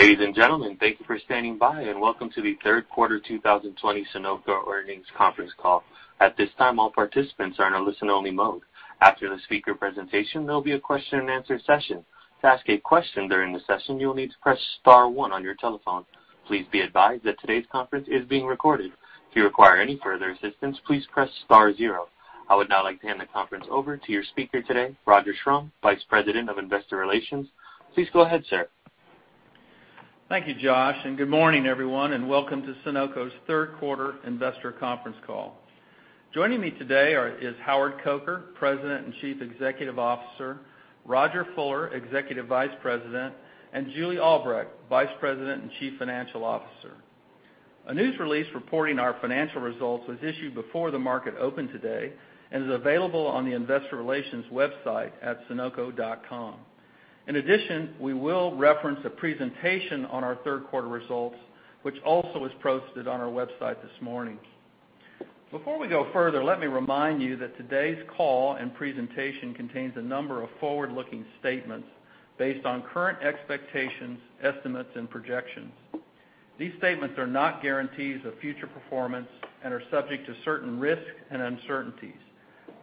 Ladies and gentlemen, thank you for standing by and welcome to the third quarter 2020 Sonoco Earnings Conference Call. At this time, all participants are in a listen-only mode. After the speaker presentation, there will be a question and answer session. To ask a question during the session, you will need to press star one on your telephone. Please be advised that today's conference is being recorded. If you require any further assistance, please press star zero. I would now like to hand the conference over to your speaker today, Rodger Schrum, Vice President of Investor Relations. Please go ahead, sir. Thank you, Josh, and good morning, everyone, and welcome to Sonoco's third quarter investor conference call. Joining me today is Howard Coker, President and Chief Executive Officer, Rodger Fuller, Executive Vice President, and Julie Albrecht, Vice President and Chief Financial Officer. A news release reporting our financial results was issued before the market opened today and is available on the investor relations website at sonoco.com. In addition, we will reference a presentation on our third quarter results, which also was posted on our website this morning. Before we go further, let me remind you that today's call and presentation contains a number of forward-looking statements based on current expectations, estimates, and projections. These statements are not guarantees of future performance and are subject to certain risks and uncertainties.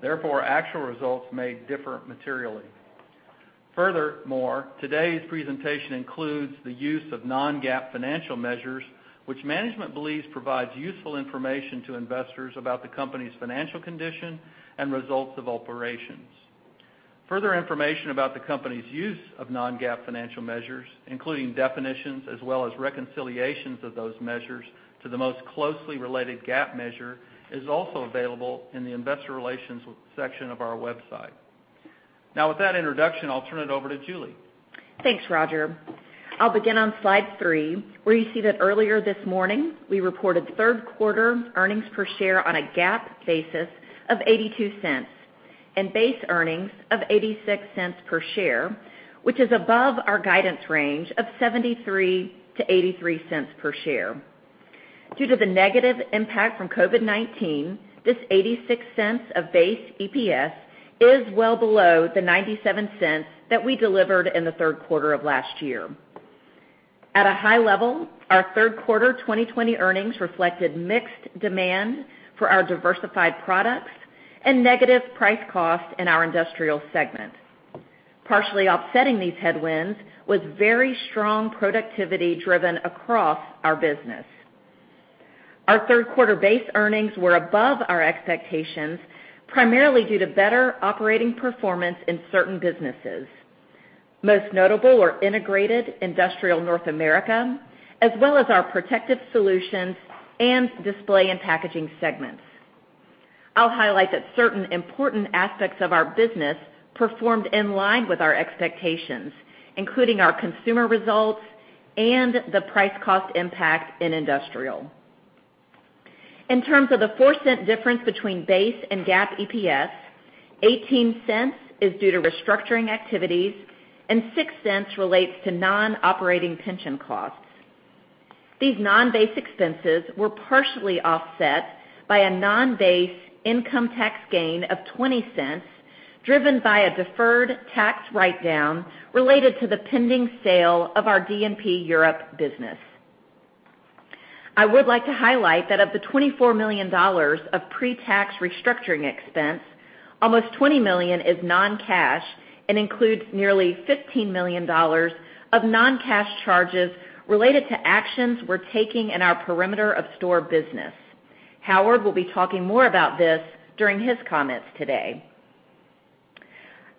Therefore, actual results may differ materially. Furthermore, today's presentation includes the use of non-GAAP financial measures, which management believes provides useful information to investors about the company's financial condition and results of operations. Further information about the company's use of non-GAAP financial measures, including definitions as well as reconciliations of those measures to the most closely related GAAP measure, is also available in the investor relations section of our website. Now, with that introduction, I'll turn it over to Julie. Thanks, Roger. I will begin on slide three, where you see that earlier this morning, we reported third quarter earnings per share on a GAAP basis of $0.82 and base earnings of $0.86 per share, which is above our guidance range of $0.73-$0.83 per share. Due to the negative impact from COVID-19, this $0.86 of base EPS is well below the $0.97 that we delivered in the third quarter of last year. At a high level, our third quarter 2020 earnings reflected mixed demand for our diversified products and negative price cost in our industrial segment. Partially offsetting these headwinds was very strong productivity driven across our business. Our third quarter base earnings were above our expectations, primarily due to better operating performance in certain businesses. Most notable are integrated industrial North America, as well as our Protective Solutions and Display and Packaging segments. I'll highlight that certain important aspects of our business performed in line with our expectations, including our consumer results and the price cost impact in industrial. In terms of the $0.04 difference between base EPS and GAAP EPS, $0.18 is due to restructuring activities, and $0.06 relates to non-operating pension costs. These non-basic expenses were partially offset by a non-base income tax gain of $0.20, driven by a deferred tax write-down related to the pending sale of our D&P Europe business. I would like to highlight that of the $24 million of pre-tax restructuring expense, almost $20 million is non-cash and includes nearly $15 million of non-cash charges related to actions we're taking in our perimeter of store business. Howard will be talking more about this during his comments today.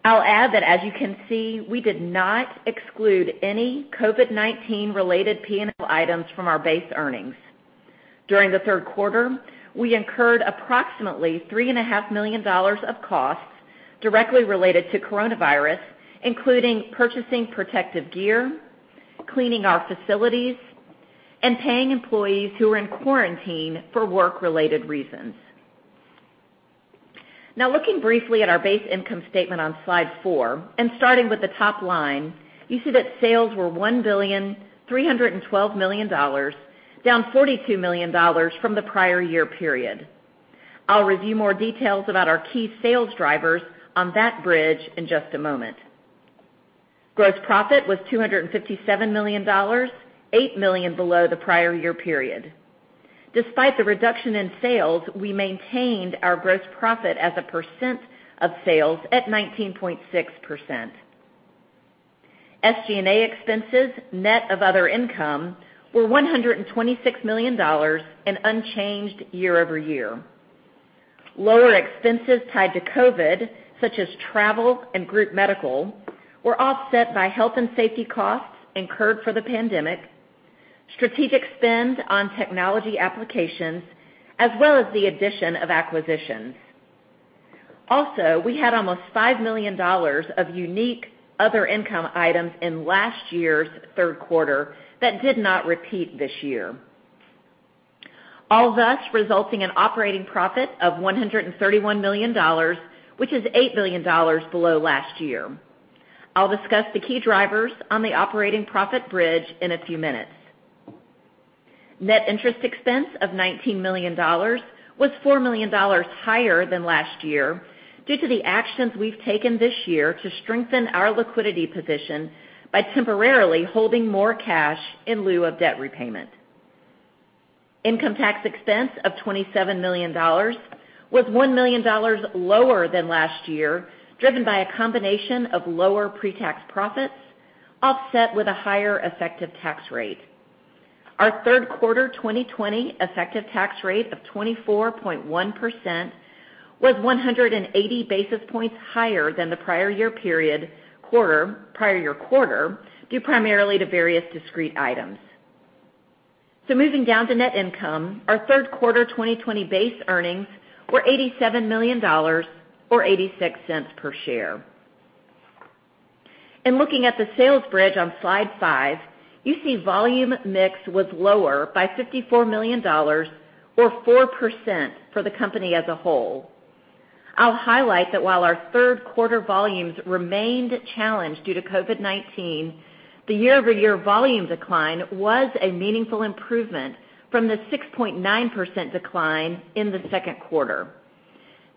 I'll add that, as you can see, we did not exclude any COVID-19 related P&L items from our base earnings. During the 3rd quarter, we incurred approximately $3.5 million of costs directly related to coronavirus, including purchasing protective gear, cleaning our facilities, and paying employees who are in quarantine for work-related reasons. Now, looking briefly at our base income statement on slide four and starting with the top line, you see that sales were $1.312 billion, down $42 million from the prior year period. I'll review more details about our key sales drivers on that bridge in just a moment. Gross profit was $257 million, $8 million below the prior year period. Despite the reduction in sales, we maintained our gross profit as a percent of sales at 19.6%. SG&A expenses, net of other income, were $126 million and unchanged year-over-year. Lower expenses tied to COVID, such as travel and group medical, were offset by health and safety costs incurred for the pandemic, strategic spend on technology applications, as well as the addition of acquisitions. We had almost $5 million of unique other income items in last year's third quarter that did not repeat this year. Thus resulting in operating profit of $131 million, which is $8 million below last year. I'll discuss the key drivers on the operating profit bridge in a few minutes. Net interest expense of $19 million was $4 million higher than last year due to the actions we've taken this year to strengthen our liquidity position by temporarily holding more cash in lieu of debt repayment. Income tax expense of $27 million was $1 million lower than last year, driven by a combination of lower pre-tax profits offset with a higher effective tax rate. Our third quarter 2020 effective tax rate of 24.1% was 180 basis points higher than the prior year quarter due primarily to various discrete items. Moving down to net income, our third quarter 2020 base earnings were $87 million, or $0.86 per share. In looking at the sales bridge on slide five, you see volume mix was lower by $54 million or 4% for the company as a whole. I'll highlight that while our third quarter volumes remained challenged due to COVID-19, the year-over-year volume decline was a meaningful improvement from the 6.9% decline in the second quarter.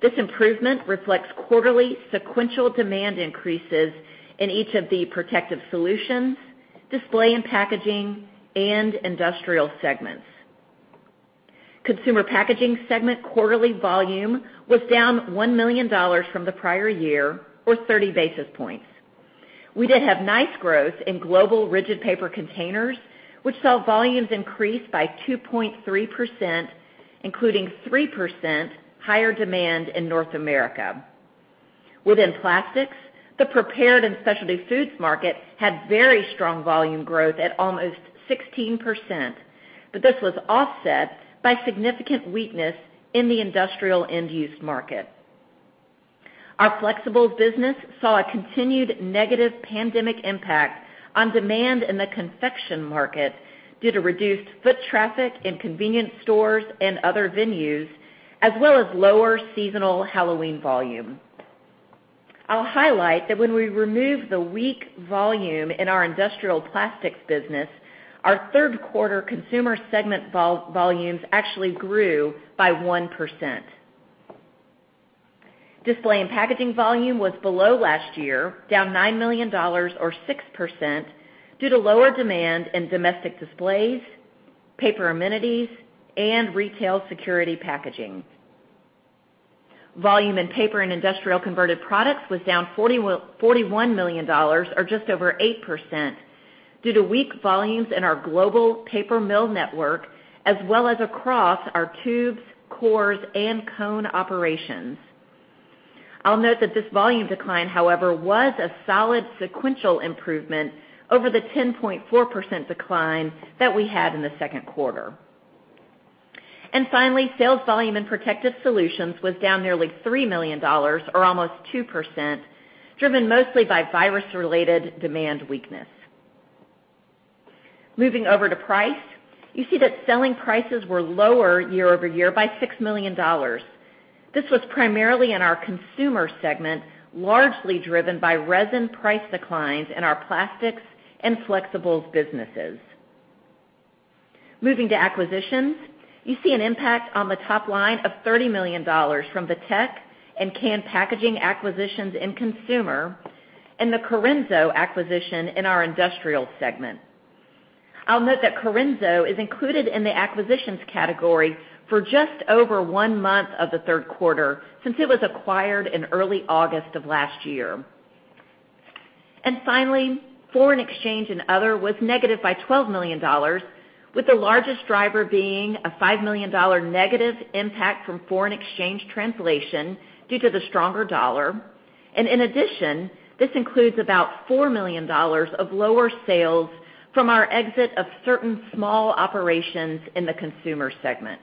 This improvement reflects quarterly sequential demand increases in each of the Protective Solutions, Display and Packaging, and Industrial segments. Consumer Packaging segment quarterly volume was down $1 million from the prior year or 30 basis points. We did have nice growth in global rigid paper containers, which saw volumes increase by 2.3%, including 3% higher demand in North America. Within plastics, the prepared and specialty foods market had very strong volume growth at almost 16%, but this was offset by significant weakness in the industrial end-use market. Our Flexibles business saw a continued negative pandemic impact on demand in the confection market due to reduced foot traffic in convenience stores and other venues, as well as lower seasonal Halloween volume. I'll highlight that when we remove the weak volume in our industrial plastics business, our third quarter consumer segment volumes actually grew by 1%. Display and Packaging volume was below last year, down $9 million or 6% due to lower demand in domestic displays, paper amenities, and retail security packaging. Volume in Paper and Industrial Converted Products was down $41 million or just over 8% due to weak volumes in our global paper mill network, as well as across our tubes, cores, and cone operations. I'll note that this volume decline, however, was a solid sequential improvement over the 10.4% decline that we had in the second quarter. Finally, sales volume in Protective Solutions was down nearly $3 million or almost 2%, driven mostly by virus-related demand weakness. Moving over to price, you see that selling prices were lower year-over-year by $6 million. This was primarily in our Consumer segment, largely driven by resin price declines in our Plastics and Flexibles businesses. Moving to acquisitions, you see an impact on the top line of $30 million from the TEQ and Can Packaging acquisitions in Consumer, and the Corenso acquisition in our Industrial segment. Finally, foreign exchange and other was negative by $12 million, with the largest driver being a $5 million negative impact from foreign exchange translation due to the stronger dollar. In addition, this includes about $4 million of lower sales from our exit of certain small operations in the Consumer segment.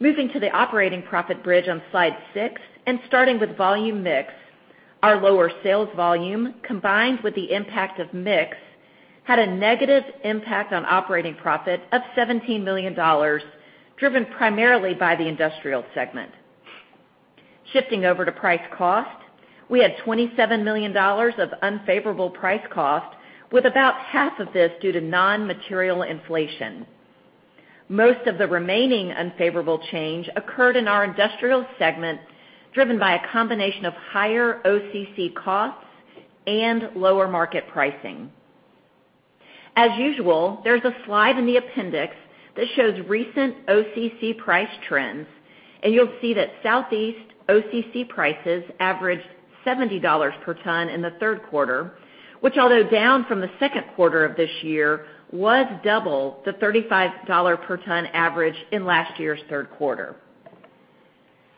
Moving to the operating profit bridge on slide six and starting with volume mix, our lower sales volume, combined with the impact of mix, had a negative impact on operating profit of $17 million, driven primarily by the Industrial segment. Shifting over to price cost, we had $27 million of unfavorable price cost, with about half of this due to non-material inflation. Most of the remaining unfavorable change occurred in our Industrial segment, driven by a combination of higher OCC costs and lower market pricing. As usual, there's a slide in the appendix that shows recent OCC price trends, and you'll see that Southeast OCC prices averaged $70 per ton in the third quarter, which, although down from the second quarter of this year, was double the $35 per ton average in last year's third quarter.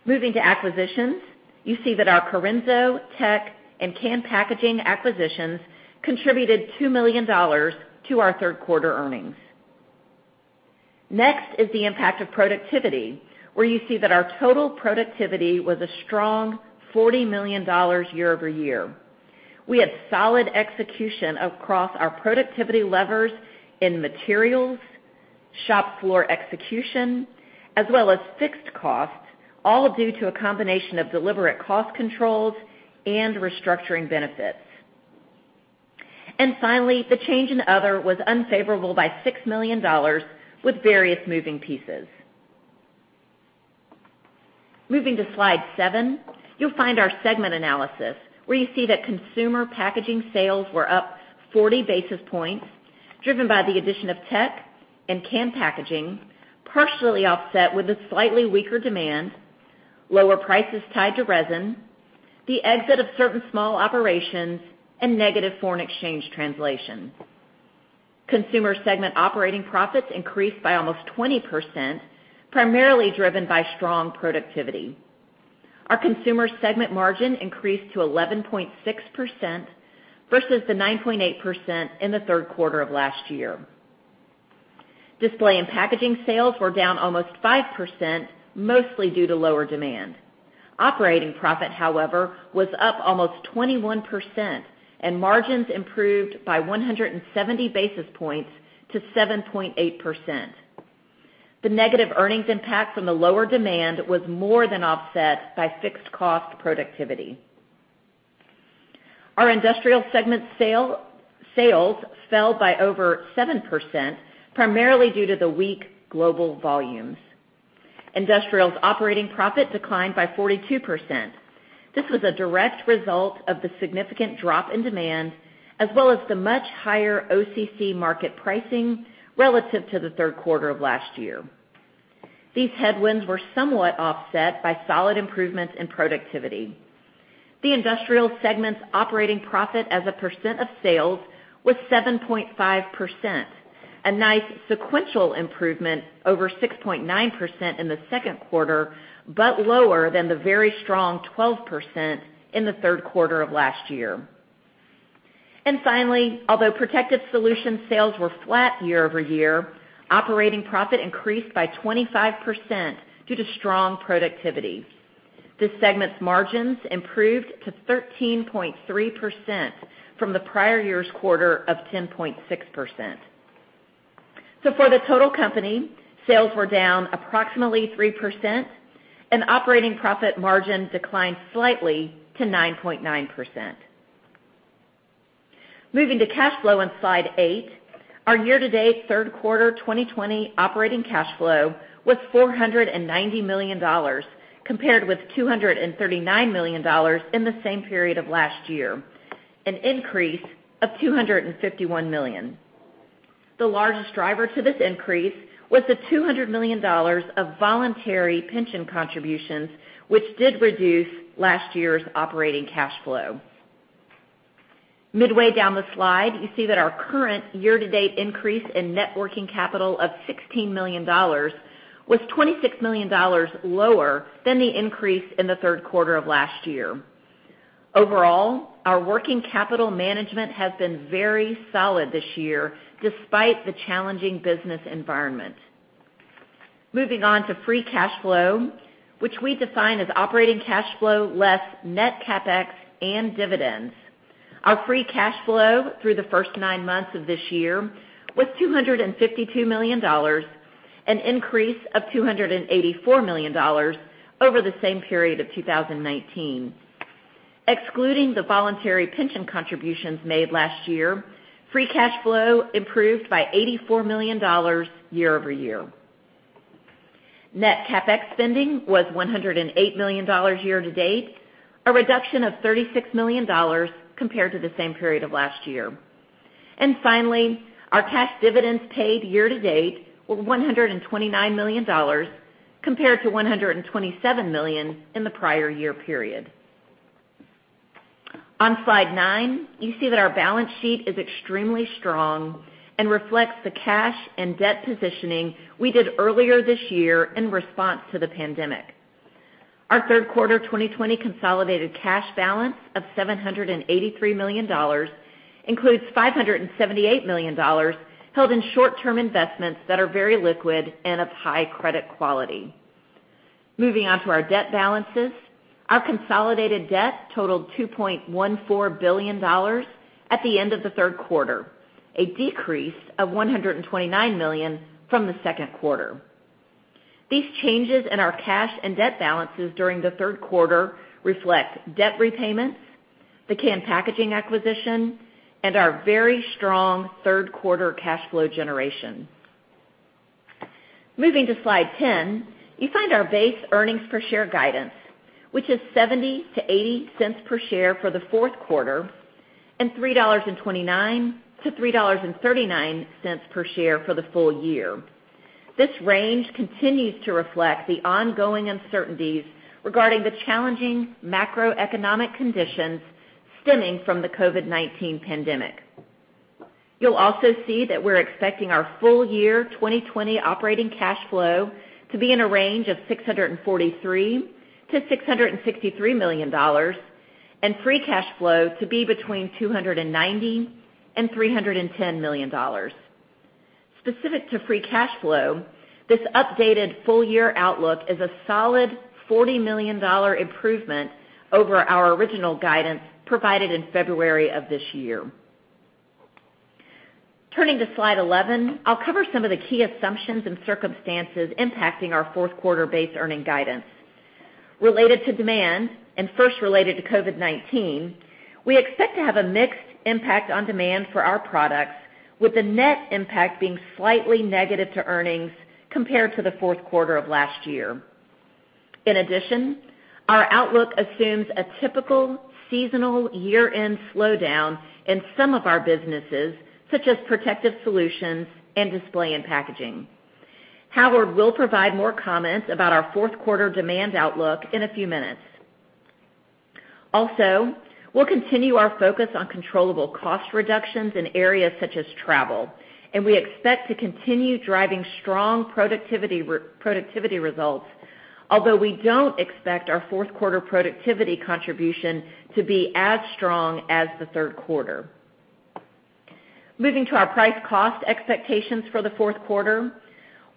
Moving to acquisitions, you see that our Corenso, TEQ, and Can Packaging acquisitions contributed $2 million to our third quarter earnings. Next is the impact of productivity, where you see that our total productivity was a strong $40 million year-over-year. We had solid execution across our productivity levers in materials, shop floor execution, as well as fixed costs, all due to a combination of deliberate cost controls and restructuring benefits. Finally, the change in other was unfavorable by $6 million with various moving pieces. Moving to slide seven, you'll find our segment analysis where you see that Consumer Packaging sales were up 40 basis points, driven by the addition of TEQ and Can Packaging, partially offset with a slightly weaker demand, lower prices tied to resin, the exit of certain small operations, and negative foreign exchange translation. Consumer segment operating profits increased by almost 20%, primarily driven by strong productivity. Our consumer segment margin increased to 11.6% versus the 9.8% in the third quarter of last year. Display and Packaging sales were down almost 5%, mostly due to lower demand. Operating profit, however, was up almost 21%, and margins improved by 170 basis points to 7.8%. The negative earnings impact from the lower demand was more than offset by fixed cost productivity. Our Industrial segment sales fell by over 7%, primarily due to the weak global volumes. Industrial's operating profit declined by 42%. This was a direct result of the significant drop in demand as well as the much higher OCC market pricing relative to the third quarter of last year. These headwinds were somewhat offset by solid improvements in productivity. The Industrial segment's operating profit as a percent of sales was 7.5%, a nice sequential improvement over 6.9% in the second quarter, but lower than the very strong 12% in the third quarter of last year. Finally, although Protective Solutions sales were flat year-over-year, operating profit increased by 25% due to strong productivity. This segment's margins improved to 13.3% from the prior year's quarter of 10.6%. For the total company, sales were down approximately 3%, and operating profit margin declined slightly to 9.9%. Moving to cash flow on Slide eight, our year-to-date third quarter 2020 operating cash flow was $490 million, compared with $239 million in the same period of last year, an increase of $251 million. The largest driver to this increase was the $200 million of voluntary pension contributions, which did reduce last year's operating cash flow. Midway down the slide, you see that our current year-to-date increase in net working capital of $16 million was $26 million lower than the increase in the third quarter of last year. Overall, our working capital management has been very solid this year, despite the challenging business environment. Moving on to free cash flow, which we define as operating cash flow less net CapEx and dividends. Our free cash flow through the first nine months of this year was $252 million, an increase of $284 million over the same period of 2019. Excluding the voluntary pension contributions made last year, free cash flow improved by $84 million year-over-year. Net CapEx spending was $108 million year-to-date, a reduction of $36 million compared to the same period of last year. Finally, our cash dividends paid year-to-date were $129 million, compared to $127 million in the prior year period. On Slide nine, you see that our balance sheet is extremely strong and reflects the cash and debt positioning we did earlier this year in response to the pandemic. Our third quarter 2020 consolidated cash balance of $783 million includes $578 million held in short-term investments that are very liquid and of high credit quality. Moving on to our debt balances. Our consolidated debt totaled $2.14 billion at the end of the third quarter, a decrease of $129 million from the second quarter. These changes in our cash and debt balances during the third quarter reflect debt repayments, the Can Packaging acquisition, and our very strong third-quarter cash flow generation. Moving to Slide 10, you find our base earnings per share guidance, which is $0.70-$0.80 per share for the fourth quarter and $3.29-$3.39 per share for the full year. This range continues to reflect the ongoing uncertainties regarding the challenging macroeconomic conditions stemming from the COVID-19 pandemic. You'll also see that we're expecting our full-year 2020 operating cash flow to be in a range of $643 million-$663 million and free cash flow to be between $290 million and $310 million. Specific to free cash flow, this updated full-year outlook is a solid $40 million improvement over our original guidance provided in February of this year. Turning to Slide 11, I'll cover some of the key assumptions and circumstances impacting our fourth quarter base earning guidance. First related to COVID-19, we expect to have a mixed impact on demand for our products, with the net impact being slightly negative to earnings compared to the fourth quarter of last year. In addition, our outlook assumes a typical seasonal year-end slowdown in some of our businesses, such as Protective Solutions and Display and Packaging. Howard will provide more comments about our fourth quarter demand outlook in a few minutes. We'll continue our focus on controllable cost reductions in areas such as travel, and we expect to continue driving strong productivity results, although we don't expect our fourth quarter productivity contribution to be as strong as the third quarter. Moving to our price cost expectations for the fourth quarter.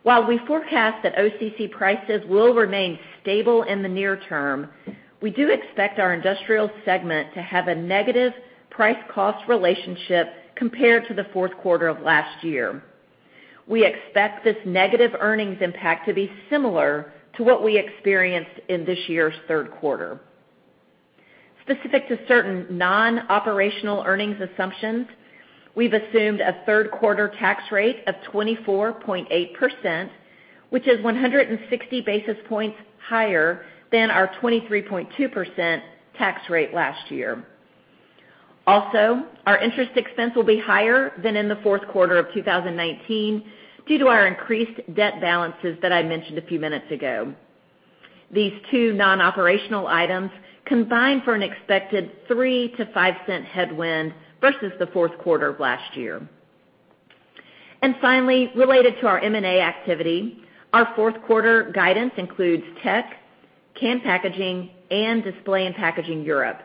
While we forecast that OCC prices will remain stable in the near term, we do expect our industrial segment to have a negative price cost relationship compared to the fourth quarter of last year. We expect this negative earnings impact to be similar to what we experienced in this year's third quarter. Specific to certain non-operational earnings assumptions, we've assumed a third quarter tax rate of 24.8%, which is 160 basis points higher than our 23.2% tax rate last year. Also, our interest expense will be higher than in the fourth quarter of 2019 due to our increased debt balances that I mentioned a few minutes ago. These two non-operational items combine for an expected $0.03-$0.05 headwind versus the fourth quarter of last year. Finally, related to our M&A activity, our fourth quarter guidance includes TEQ, Can Packaging, and Display and Packaging Europe.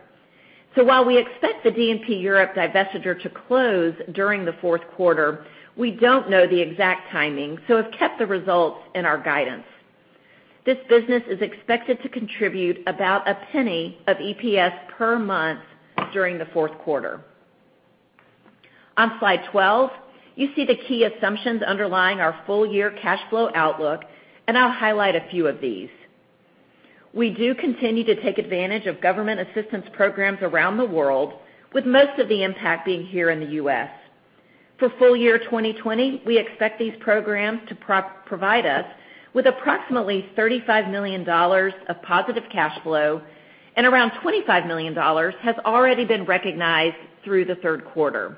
While we expect the D&P Europe divestiture to close during the fourth quarter, we don't know the exact timing, so have kept the results in our guidance. This business is expected to contribute about $0.01 of EPS per month during the fourth quarter. On Slide 12, you see the key assumptions underlying our full year cash flow outlook, and I'll highlight a few of these. We do continue to take advantage of government assistance programs around the world, with most of the impact being here in the U.S. For full year 2020, we expect these programs to provide us with approximately $35 million of positive cash flow and around $25 million has already been recognized through the third quarter.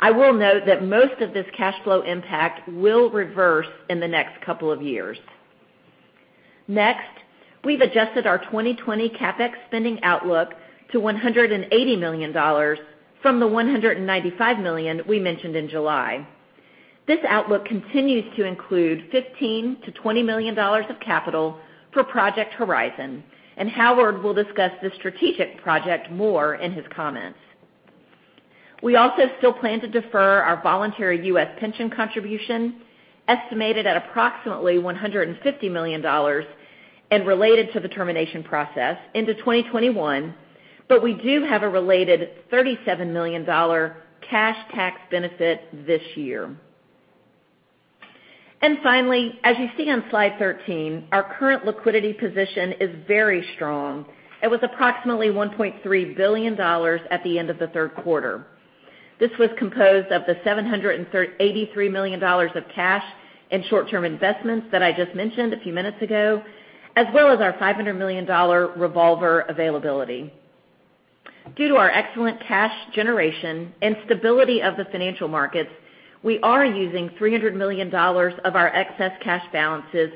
I will note that most of this cash flow impact will reverse in the next couple of years. Next, we've adjusted our 2020 CapEx spending outlook to $180 million from the $195 million we mentioned in July. This outlook continues to include $15 million-$20 million of capital for Project Horizon. Howard will discuss this strategic project more in his comments. We also still plan to defer our voluntary U.S. pension contribution, estimated at approximately $150 million and related to the termination process into 2021. We do have a related $37 million cash tax benefit this year. Finally, as you see on Slide 13, our current liquidity position is very strong and was approximately $1.3 billion at the end of the third quarter. This was composed of the $783 million of cash and short-term investments that I just mentioned a few minutes ago, as well as our $500 million revolver availability. Due to our excellent cash generation and stability of the financial markets, we are using $300 million of our excess cash balances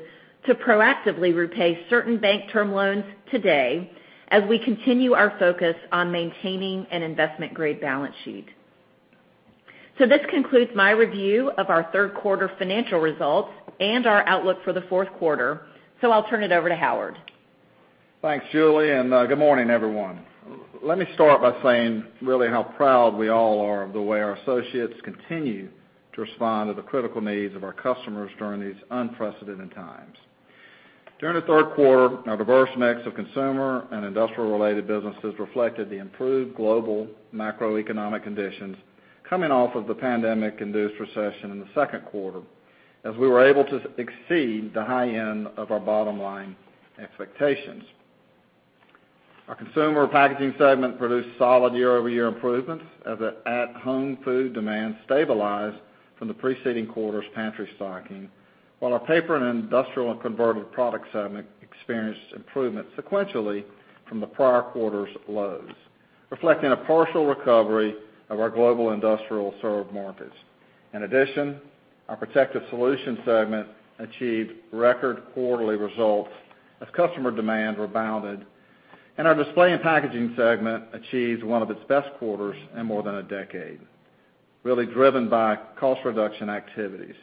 to proactively repay certain bank term loans today as we continue our focus on maintaining an investment-grade balance sheet. This concludes my review of our third quarter financial results and our outlook for the fourth quarter. I'll turn it over to Howard. Thanks, Julie. Good morning, everyone. Let me start by saying really how proud we all are of the way our associates continue to respond to the critical needs of our customers during these unprecedented times. During the third quarter, our diverse mix of Consumer and industrial-related businesses reflected the improved global macroeconomic conditions coming off of the pandemic-induced recession in the second quarter, as we were able to exceed the high end of our bottom line expectations. Our Consumer Packaging segment produced solid year-over-year improvements as the at-home food demand stabilized from the preceding quarter's pantry stocking. Our Paper and Industrial Converted Products segment experienced improvement sequentially from the prior quarter's lows, reflecting a partial recovery of our global industrial served markets. In addition, our Protective Solutions segment achieved record quarterly results as customer demand rebounded, and our Display and Packaging segment achieved one of its best quarters in more than a decade, really driven by cost reduction activities.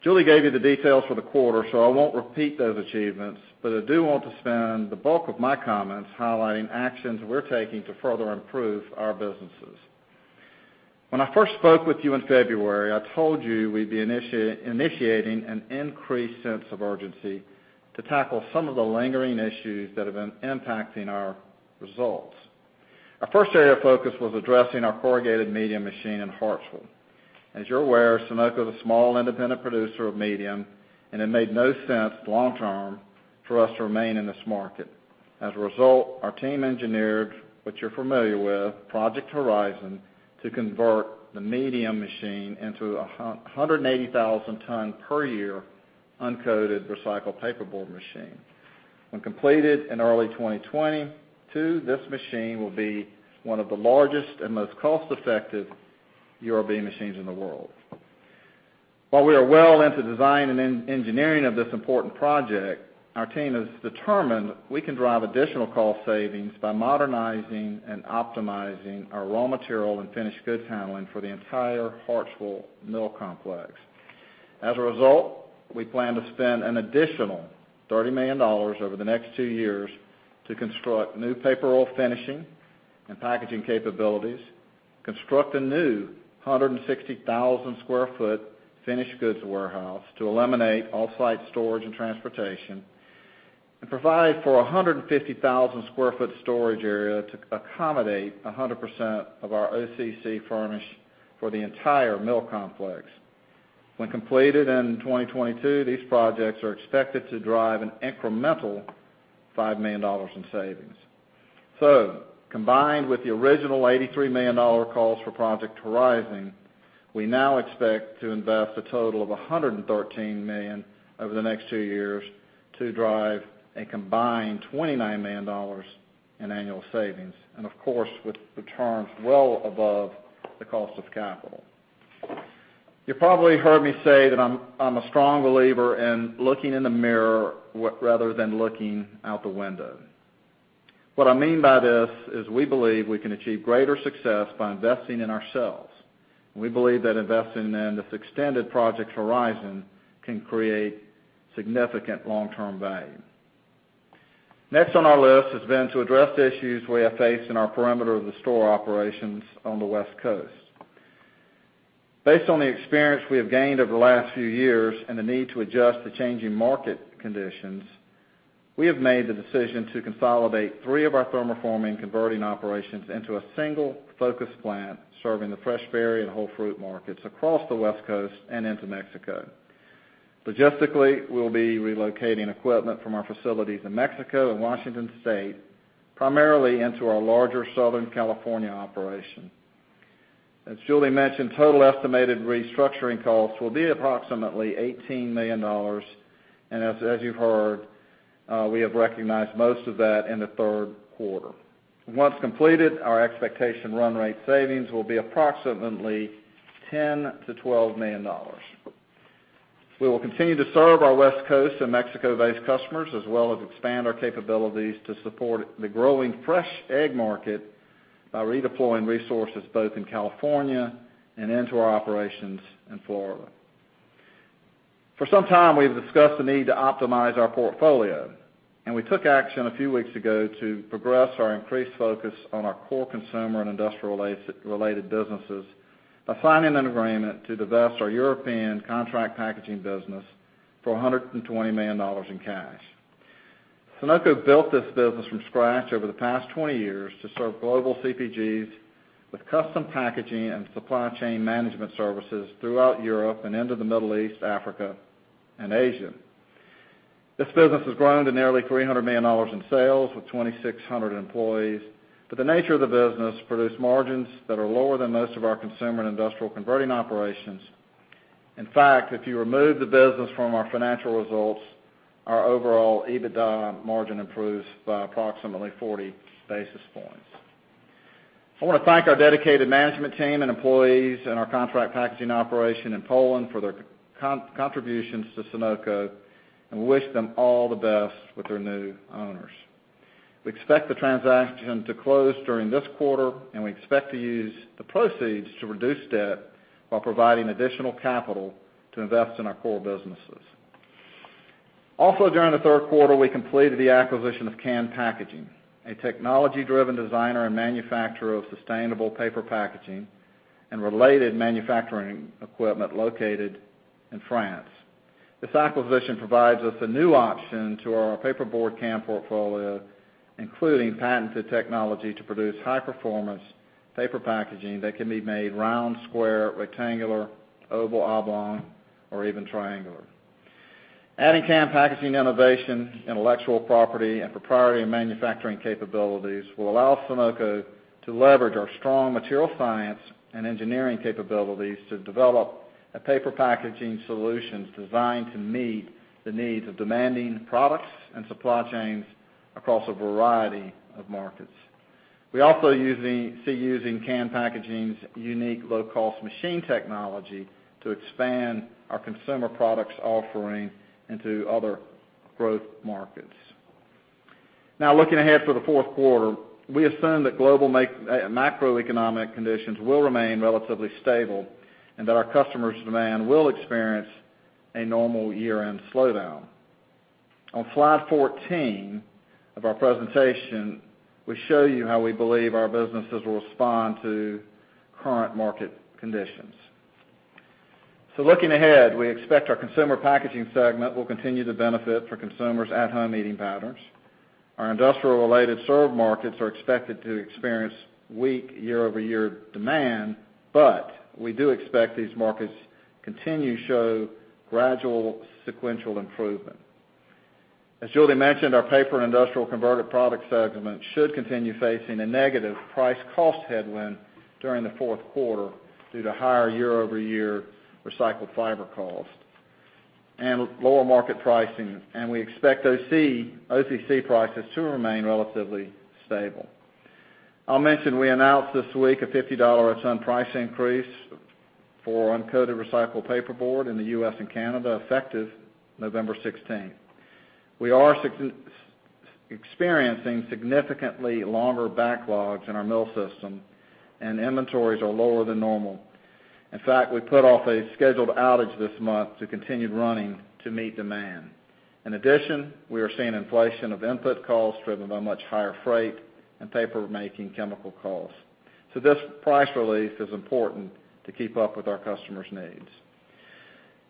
Julie gave you the details for the quarter, so I won't repeat those achievements, but I do want to spend the bulk of my comments highlighting actions we're taking to further improve our businesses. When I first spoke with you in February, I told you we'd be initiating an increased sense of urgency to tackle some of the lingering issues that have been impacting our results. Our first area of focus was addressing our corrugated medium machine in Hartsville. As you're aware, Sonoco is a small independent producer of medium, and it made no sense long term for us to remain in this market. As a result, our team engineered what you're familiar with, Project Horizon, to convert the medium machine into a 180,000 ton per year uncoated recycled paperboard machine. When completed in early 2022, this machine will be one of the largest and most cost effective URB machines in the world. While we are well into design and engineering of this important project, our team has determined we can drive additional cost savings by modernizing and optimizing our raw material and finished goods handling for the entire Hartsville mill complex. As a result, we plan to spend an additional $30 million over the next two years to construct new paper roll finishing and packaging capabilities, construct a new 160,000 sq ft finished goods warehouse to eliminate off-site storage and transportation, and provide for 150,000 sq ft storage area to accommodate 100% of our OCC furnish for the entire mill complex. When completed in 2022, these projects are expected to drive an incremental $5 million in savings. Combined with the original $83 million cost for Project Horizon, we now expect to invest a total of $113 million over the next two years to drive a combined $29 million in annual savings. Of course, with returns well above the cost of capital. You probably heard me say that I'm a strong believer in looking in the mirror rather than looking out the window. What I mean by this is we believe we can achieve greater success by investing in ourselves. We believe that investing in this extended Project Horizon can create significant long-term value. Next on our list has been to address the issues we have faced in our perimeter of the store operations on the West Coast. Based on the experience we have gained over the last few years and the need to adjust to changing market conditions, we have made the decision to consolidate three of our thermoforming converting operations into a single focused plant serving the fresh berry and whole fruit markets across the West Coast and into Mexico. Logistically, we'll be relocating equipment from our facilities in Mexico and Washington State, primarily into our larger Southern California operation. As Julie mentioned, total estimated restructuring costs will be approximately $18 million. As you've heard, we have recognized most of that in the third quarter. Once completed, our expectation run rate savings will be approximately $10 million-$12 million. We will continue to serve our West Coast and Mexico-based customers, as well as expand our capabilities to support the growing fresh egg market by redeploying resources both in California and into our operations in Florida. For some time, we've discussed the need to optimize our portfolio. We took action a few weeks ago to progress our increased focus on our core consumer and industrial-related businesses by signing an agreement to divest our European contract packaging business for $120 million in cash. Sonoco built this business from scratch over the past 20 years to serve global CPGs with custom packaging and supply chain management services throughout Europe and into the Middle East, Africa, and Asia. This business has grown to nearly $300 million in sales with 2,600 employees, but the nature of the business produce margins that are lower than most of our consumer and industrial converting operations. In fact, if you remove the business from our financial results, our overall EBITDA margin improves by approximately 40 basis points. I want to thank our dedicated management team and employees in our contract packaging operation in Poland for their contributions to Sonoco, and wish them all the best with their new owners. We expect the transaction to close during this quarter, and we expect to use the proceeds to reduce debt while providing additional capital to invest in our core businesses. Also during the third quarter, we completed the acquisition of Can Packaging, a technology-driven designer and manufacturer of sustainable paper packaging and related manufacturing equipment located in France. This acquisition provides us a new option to our paperboard can portfolio, including patented technology to produce high performance paper packaging that can be made round, square, rectangular, oval, oblong, or even triangular. Adding Can Packaging innovation, intellectual property, and proprietary manufacturing capabilities will allow Sonoco to leverage our strong material science and engineering capabilities to develop paper packaging solutions designed to meet the needs of demanding products and supply chains across a variety of markets. We also see using Can Packaging's unique low cost machine technology to expand our consumer products offering into other growth markets. Looking ahead to the fourth quarter, we assume that global macroeconomic conditions will remain relatively stable and that our customers' demand will experience a normal year-end slowdown. On slide 14 of our presentation, we show you how we believe our businesses will respond to current market conditions. Looking ahead, we expect our Consumer Packaging segment will continue to benefit for consumers' at-home eating patterns. Our industrial-related served markets are expected to experience weak year-over-year demand, but we do expect these markets continue to show gradual sequential improvement. As Julie mentioned, our Paper and Industrial Converted Products segment should continue facing a negative price cost headwind during the fourth quarter due to higher year-over-year recycled fiber cost and lower market pricing. We expect OCC prices to remain relatively stable. I'll mention, we announced this week a $50 a ton price increase for uncoated recycled paperboard in the U.S. and Canada, effective November 16th. We are experiencing significantly longer backlogs in our mill system, and inventories are lower than normal. In fact, we put off a scheduled outage this month to continued running to meet demand. In addition, we are seeing inflation of input costs driven by much higher freight and paper-making chemical costs. This price release is important to keep up with our customers' needs.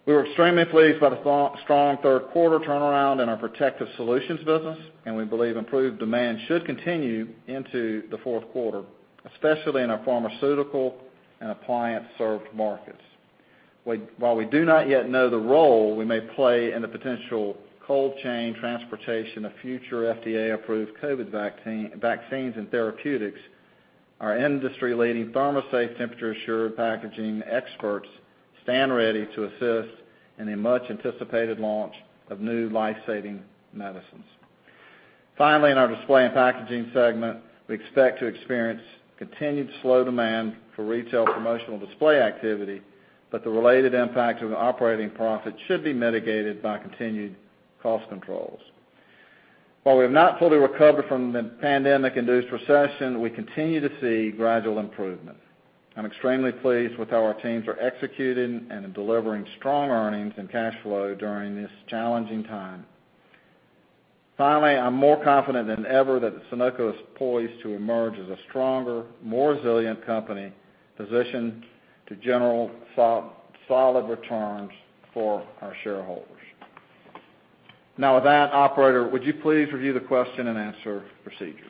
We were extremely pleased by the strong third quarter turnaround in our Protective Solutions business, and we believe improved demand should continue into the fourth quarter, especially in our pharmaceutical and appliance-served markets. While we do not yet know the role we may play in the potential cold chain transportation of future FDA-approved COVID vaccines and therapeutics, our industry-leading ThermoSafe temperature-assured packaging experts stand ready to assist in a much-anticipated launch of new life-saving medicines. Finally, in our Display and Packaging segment, we expect to experience continued slow demand for retail promotional display activity, but the related impact of operating profit should be mitigated by continued cost controls. While we have not fully recovered from the pandemic-induced recession, we continue to see gradual improvement. I'm extremely pleased with how our teams are executing and delivering strong earnings and cash flow during this challenging time. Finally, I'm more confident than ever that Sonoco is poised to emerge as a stronger, more resilient company, positioned to generate solid returns for our shareholders. Now with that, operator, would you please review the question and answer procedure?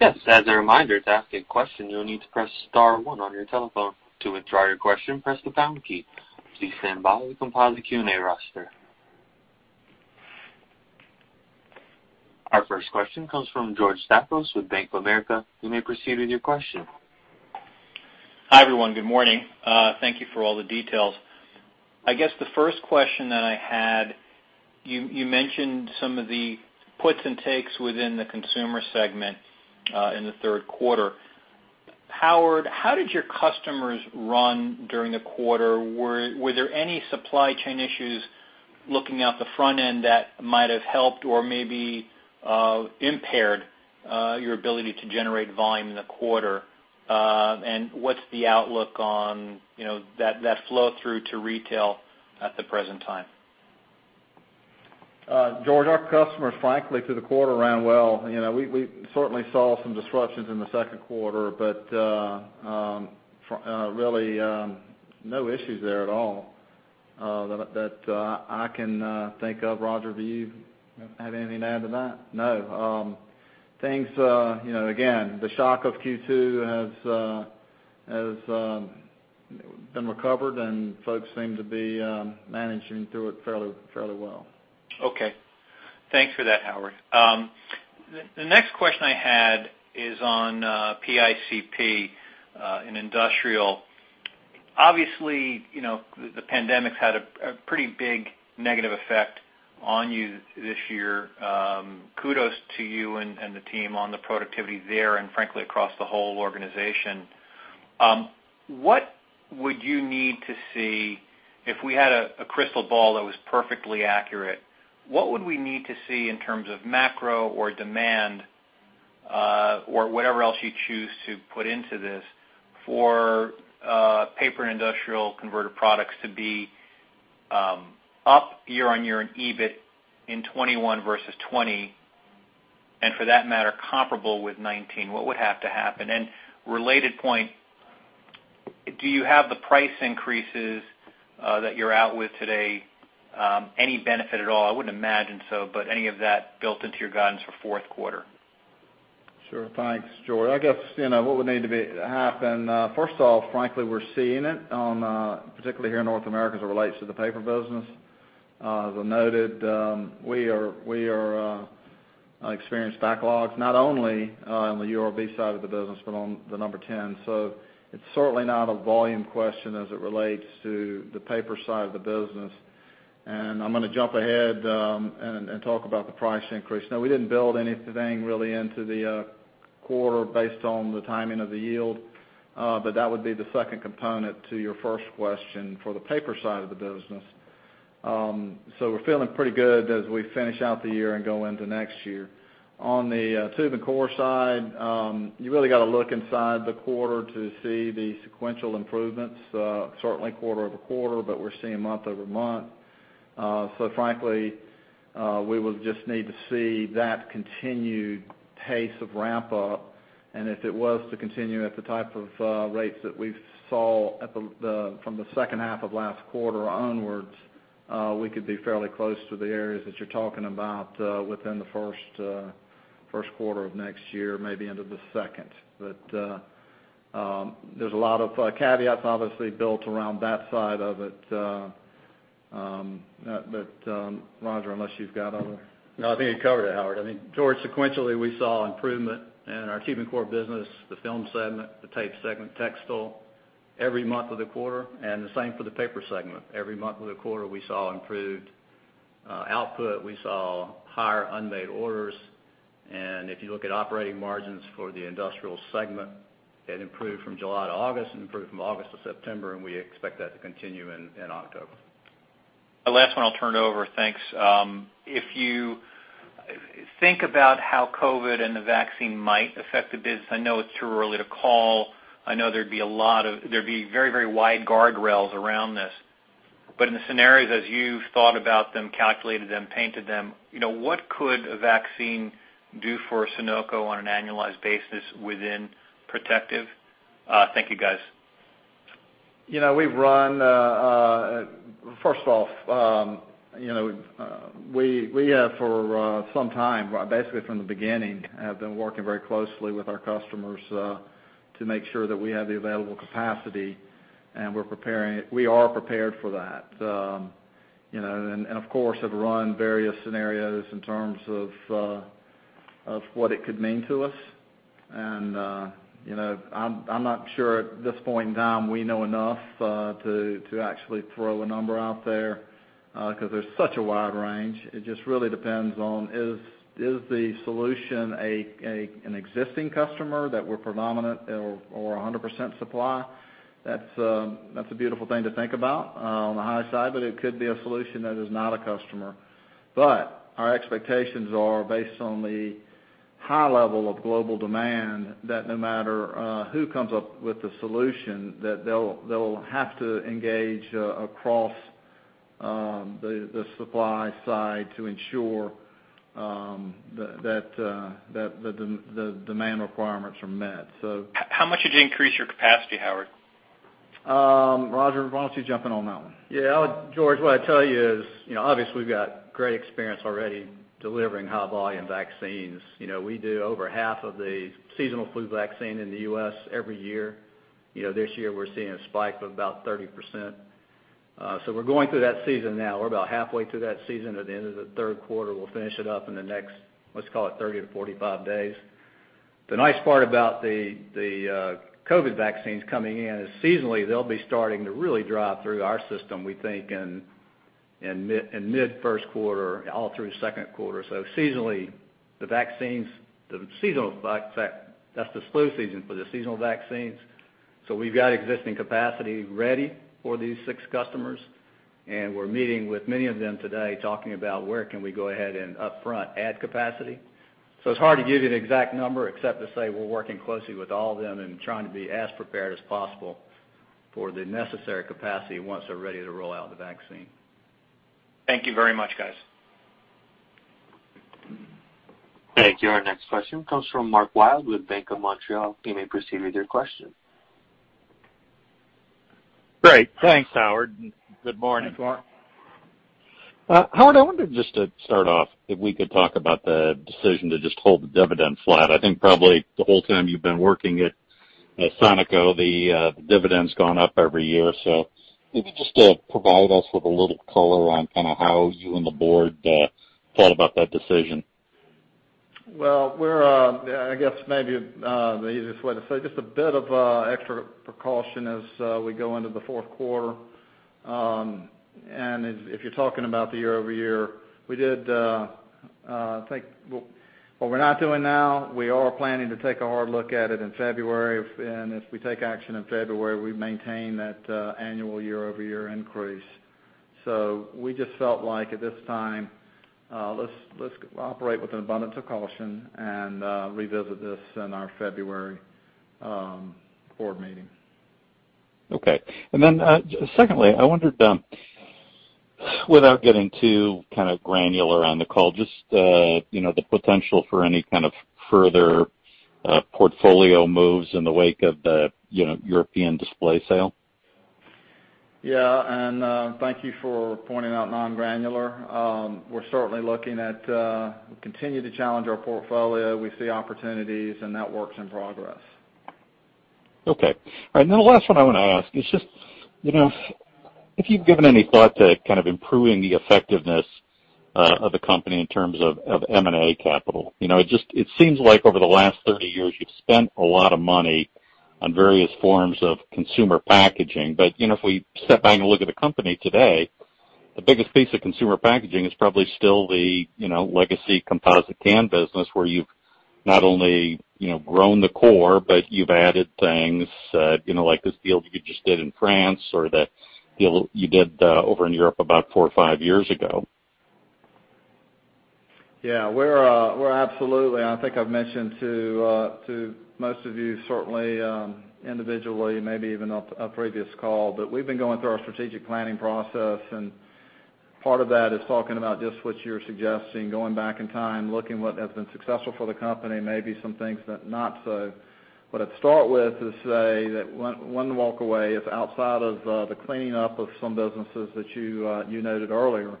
Yes. As a reminder, to ask a question, you'll need to press star one on your telephone. To withdraw your question, press the pound key. Our first question comes from George Staphos with Bank of America. You may proceed with your question. Hi, everyone. Good morning. Thank Thank you for all the details. I guess the first question that I had, you mentioned some of the puts and takes within the consumer segment in the third quarter. Howard, how did your customers run during the quarter? Were there any supply chain issues looking out the front end that might have helped or maybe impaired your ability to generate volume in the quarter? What's the outlook on that flow through to retail at the present time? George, our customers, frankly, through the quarter ran well. We certainly saw some disruptions in the second quarter. Really no issues there at all that I can think of. Roger, do you have anything to add to that? No. Again, the shock of Q2 has been recovered, and folks seem to be managing through it fairly well. Okay. Thanks for that, Howard. The next question I had is on PICP in industrial. Obviously, the pandemic's had a pretty big negative effect on you this year. Kudos to you and the team on the productivity there and frankly, across the whole organization. What would you need to see if we had a crystal ball that was perfectly accurate? What would we need to see in terms of macro or demand, or whatever else you choose to put into this, for Paper and Industrial Converted Products to be up year-on-year in EBIT in 2021 versus 2020, and for that matter, comparable with 2019? What would have to happen? Related point, do you have the price increases that you're out with today any benefit at all? I wouldn't imagine so, but any of that built into your guidance for fourth quarter? Sure. Thanks, George. I guess what would need to happen, first off, frankly, we're seeing it, particularly here in North America, as it relates to the paper business. As I noted, we are experienced backlogs, not only on the URB side of the business, but on the number 10. It's certainly not a volume question as it relates to the paper side of the business. I'm going to jump ahead and talk about the price increase. No, we didn't build anything really into the quarter based on the timing of the yield. That would be the second component to your first question for the paper side of the business. We're feeling pretty good as we finish out the year and go into next year. On the tube and core side, you really got to look inside the quarter to see the sequential improvements, certainly quarter-over-quarter, but we're seeing month-over-month. Frankly, we will just need to see that continued pace of ramp up, and if it was to continue at the type of rates that we saw from the second half of last quarter onwards, we could be fairly close to the areas that you're talking about within the first quarter of next year, maybe into the second. There's a lot of caveats, obviously, built around that side of it. Rodger, unless you've got other. No, I think you covered it, Howard. I mean, George, sequentially, we saw improvement in our tube and core business, the film segment, the tape segment, textile every month of the quarter, and the same for the paper segment. Every month of the quarter, we saw improved output, we saw higher unmade orders. If you look at operating margins for the industrial segment, it improved from July to August, it improved from August to September, and we expect that to continue in October. The last one I'll turn over. Thanks. If you think about how COVID-19 and the vaccine might affect the business, I know it's too early to call. I know there'd be very wide guardrails around this. In the scenarios as you've thought about them, calculated them, painted them, what could a vaccine do for Sonoco on an annualized basis within Protective? Thank you, guys. First off, we have for some time, basically from the beginning, have been working very closely with our customers to make sure that we have the available capacity, and we are prepared for that. Of course, have run various scenarios in terms of what it could mean to us. I'm not sure at this point in time we know enough to actually throw a number out there, because there's such a wide range. It just really depends on, is the solution an existing customer that we're predominant or 100% supply? That's a beautiful thing to think about on the high side, but it could be a solution that is not a customer. Our expectations are based on the high level of global demand that no matter who comes up with the solution, that they'll have to engage across the supply side to ensure that the demand requirements are met. How much did you increase your capacity, Howard? Rodger, why don't you jump in on that one? Yeah. George, what I'd tell you is, obviously, we've got great experience already delivering high volume vaccines. We do over half of the seasonal flu vaccine in the U.S. every year. This year, we're seeing a spike of about 30%. We're going through that season now. We're about halfway through that season at the end of the third quarter. We'll finish it up in the next, let's call it 30 to 45 days. The nice part about the COVID vaccines coming in is seasonally, they'll be starting to really drive through our system, we think, in mid-first quarter, all through second quarter. Seasonally, that's the flu season for the seasonal vaccines. We've got existing capacity ready for these six customers, and we're meeting with many of them today talking about where can we go ahead and upfront add capacity. It's hard to give you an exact number except to say we're working closely with all of them and trying to be as prepared as possible for the necessary capacity once they're ready to roll out the vaccine. Thank you very much, guys. Thank you. Our next question comes from Mark Wilde with Bank of Montreal. You may proceed with your question. Great. Thanks, Howard, and good morning. Thanks, Mark. Howard, I wanted just to start off, if we could talk about the decision to just hold the dividend flat. I think probably the whole time you've been working at Sonoco, the dividend's gone up every year. If you just provide us with a little color on kind of how you and the board thought about that decision. I guess maybe the easiest way to say, just a bit of extra precaution as we go into the fourth quarter. If you're talking about the year-over-year, what we're not doing now, we are planning to take a hard look at it in February. If we take action in February, we maintain that annual year-over-year increase. We just felt like at this time, let's operate with an abundance of caution and revisit this in our February board meeting. Okay. Then secondly, I wondered, without getting too kind of granular on the call, just the potential for any kind of further portfolio moves in the wake of the European display sale? Yeah. Thank you for pointing out non-granular. We're certainly looking at continuing to challenge our portfolio. We see opportunities, and that work's in progress. Okay. All right. The last one I want to ask is just if you've given any thought to kind of improving the effectiveness of the company in terms of M&A capital? It seems like over the last 30 years, you've spent a lot of money on various forms of Consumer Packaging. If we step back and look at the company today, the biggest piece of Consumer Packaging is probably still the legacy composite can business where you've not only grown the core, but you've added things like this deal you just did in France or the deal you did over in Europe about four or five years ago. Yeah. We're absolutely, and I think I've mentioned to most of you certainly individually, maybe even a previous call, but we've been going through our strategic planning process, and part of that is talking about just what you're suggesting, going back in time, looking what has been successful for the company, maybe some things that not so. I'd start with is say that one takeaway is outside of the cleaning up of some businesses that you noted earlier,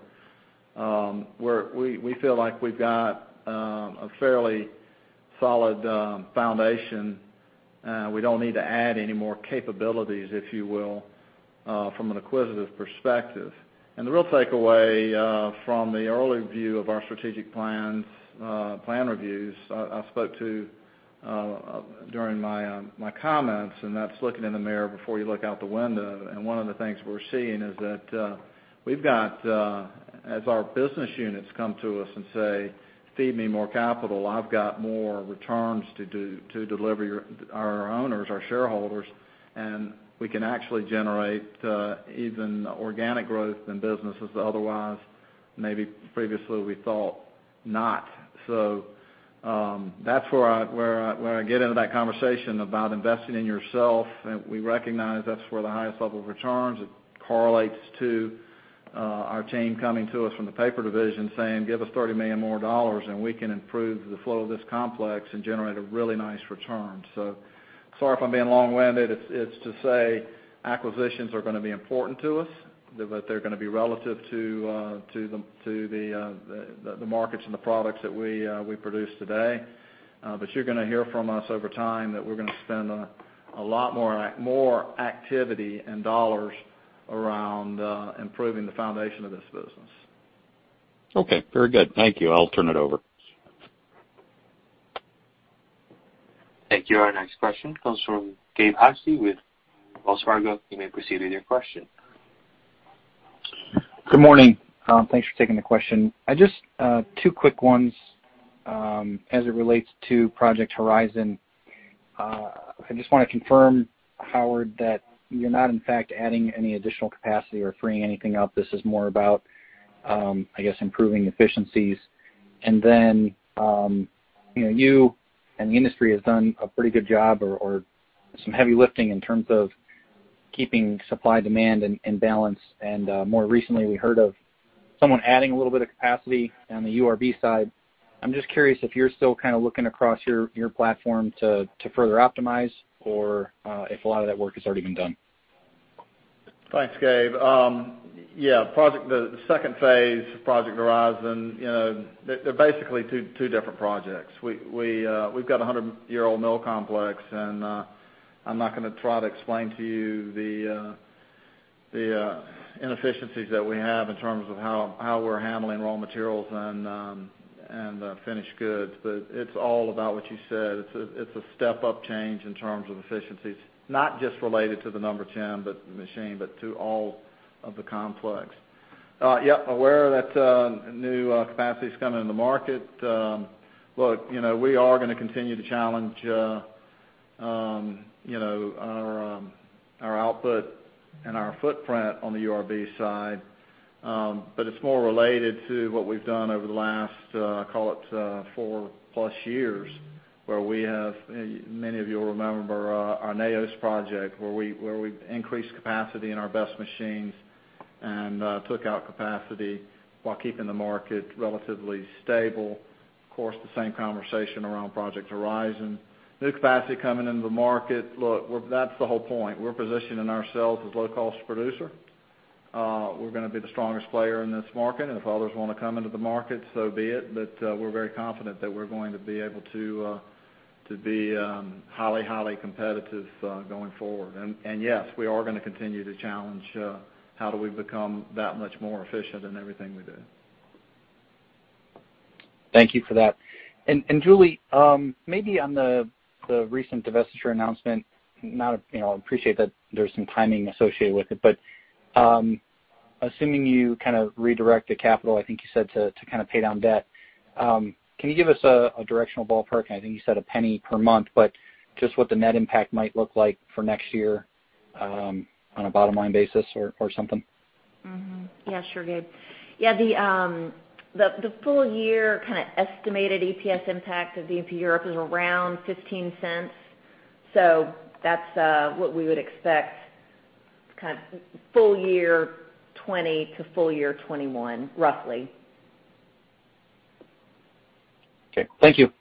where we feel like we've got a fairly solid foundation. We don't need to add any more capabilities, if you will, from an acquisitive perspective. The real takeaway from the early view of our strategic plan reviews, I spoke to during my comments, and that's looking in the mirror before you look out the window. One of the things we're seeing is that we've got, as our business units come to us and say, "Feed me more capital, I've got more returns to deliver our owners, our shareholders," and we can actually generate even organic growth in businesses that otherwise maybe previously we thought not. That's where I get into that conversation about investing in yourself. We recognize that's where the highest level of returns, it correlates to our team coming to us from the paper division saying, "Give us $30 million more, and we can improve the flow of this complex and generate a really nice return." Sorry if I'm being long-winded. It's to say acquisitions are going to be important to us, but they're going to be relative to the markets and the products that we produce today. You're going to hear from us over time that we're going to spend a lot more activity and dollars around improving the foundation of this business. Okay. Very good. Thank you. I'll turn it over. Thank you. Our next question comes from Gabe Hajde with Wells Fargo. You may proceed with your question. Good morning. Thanks for taking the question. Just two quick ones as it relates to Project Horizon. I just want to confirm, Howard, that you're not in fact adding any additional capacity or freeing anything up. This is more about, I guess, improving efficiencies. You and the industry has done a pretty good job or some heavy lifting in terms of keeping supply-demand in balance. More recently, we heard of someone adding a little bit of capacity on the URB side. I'm just curious if you're still kind of looking across your platform to further optimize or if a lot of that work has already been done. Thanks, Gabe. Yeah. The second phase of Project Horizon, there basically two different projects. We've got a 100-year-old mill complex, I'm not going to try to explain to you the inefficiencies that we have in terms of how we're handling raw materials and finished goods. It's all about what you said. It's a step-up change in terms of efficiencies, not just related to the number 10 machine, but to all of the complex. Yep, aware that new capacity's coming in the market. Look, we are going to continue to challenge our output and our footprint on the URB side. It's more related to what we've done over the last, call it four plus years, where we have, many of you will remember our Neos project, where we increased capacity in our best machines and took out capacity while keeping the market relatively stable. Of course, the same conversation around Project Horizon. New capacity coming into the market. Look, that's the whole point. We're positioning ourselves as low cost producer. We're going to be the strongest player in this market, and if others want to come into the market, so be it. We're very confident that we're going to be able to be highly competitive going forward. Yes, we are going to continue to challenge how do we become that much more efficient in everything we do. Thank you for that. Julie, maybe on the recent divestiture announcement, I appreciate that there's some timing associated with it, but assuming you kind of redirect the capital, I think you said to kind of pay down debt. Can you give us a directional ballpark? I think you said $0.01 per month, but just what the net impact might look like for next year on a bottom-line basis or something? Yeah, sure, Gabe. The full year kind of estimated EPS impact of D&P Europe is around $0.15. That's what we would expect kind of full year 2020 to full year 2021, roughly. Okay. Thank you.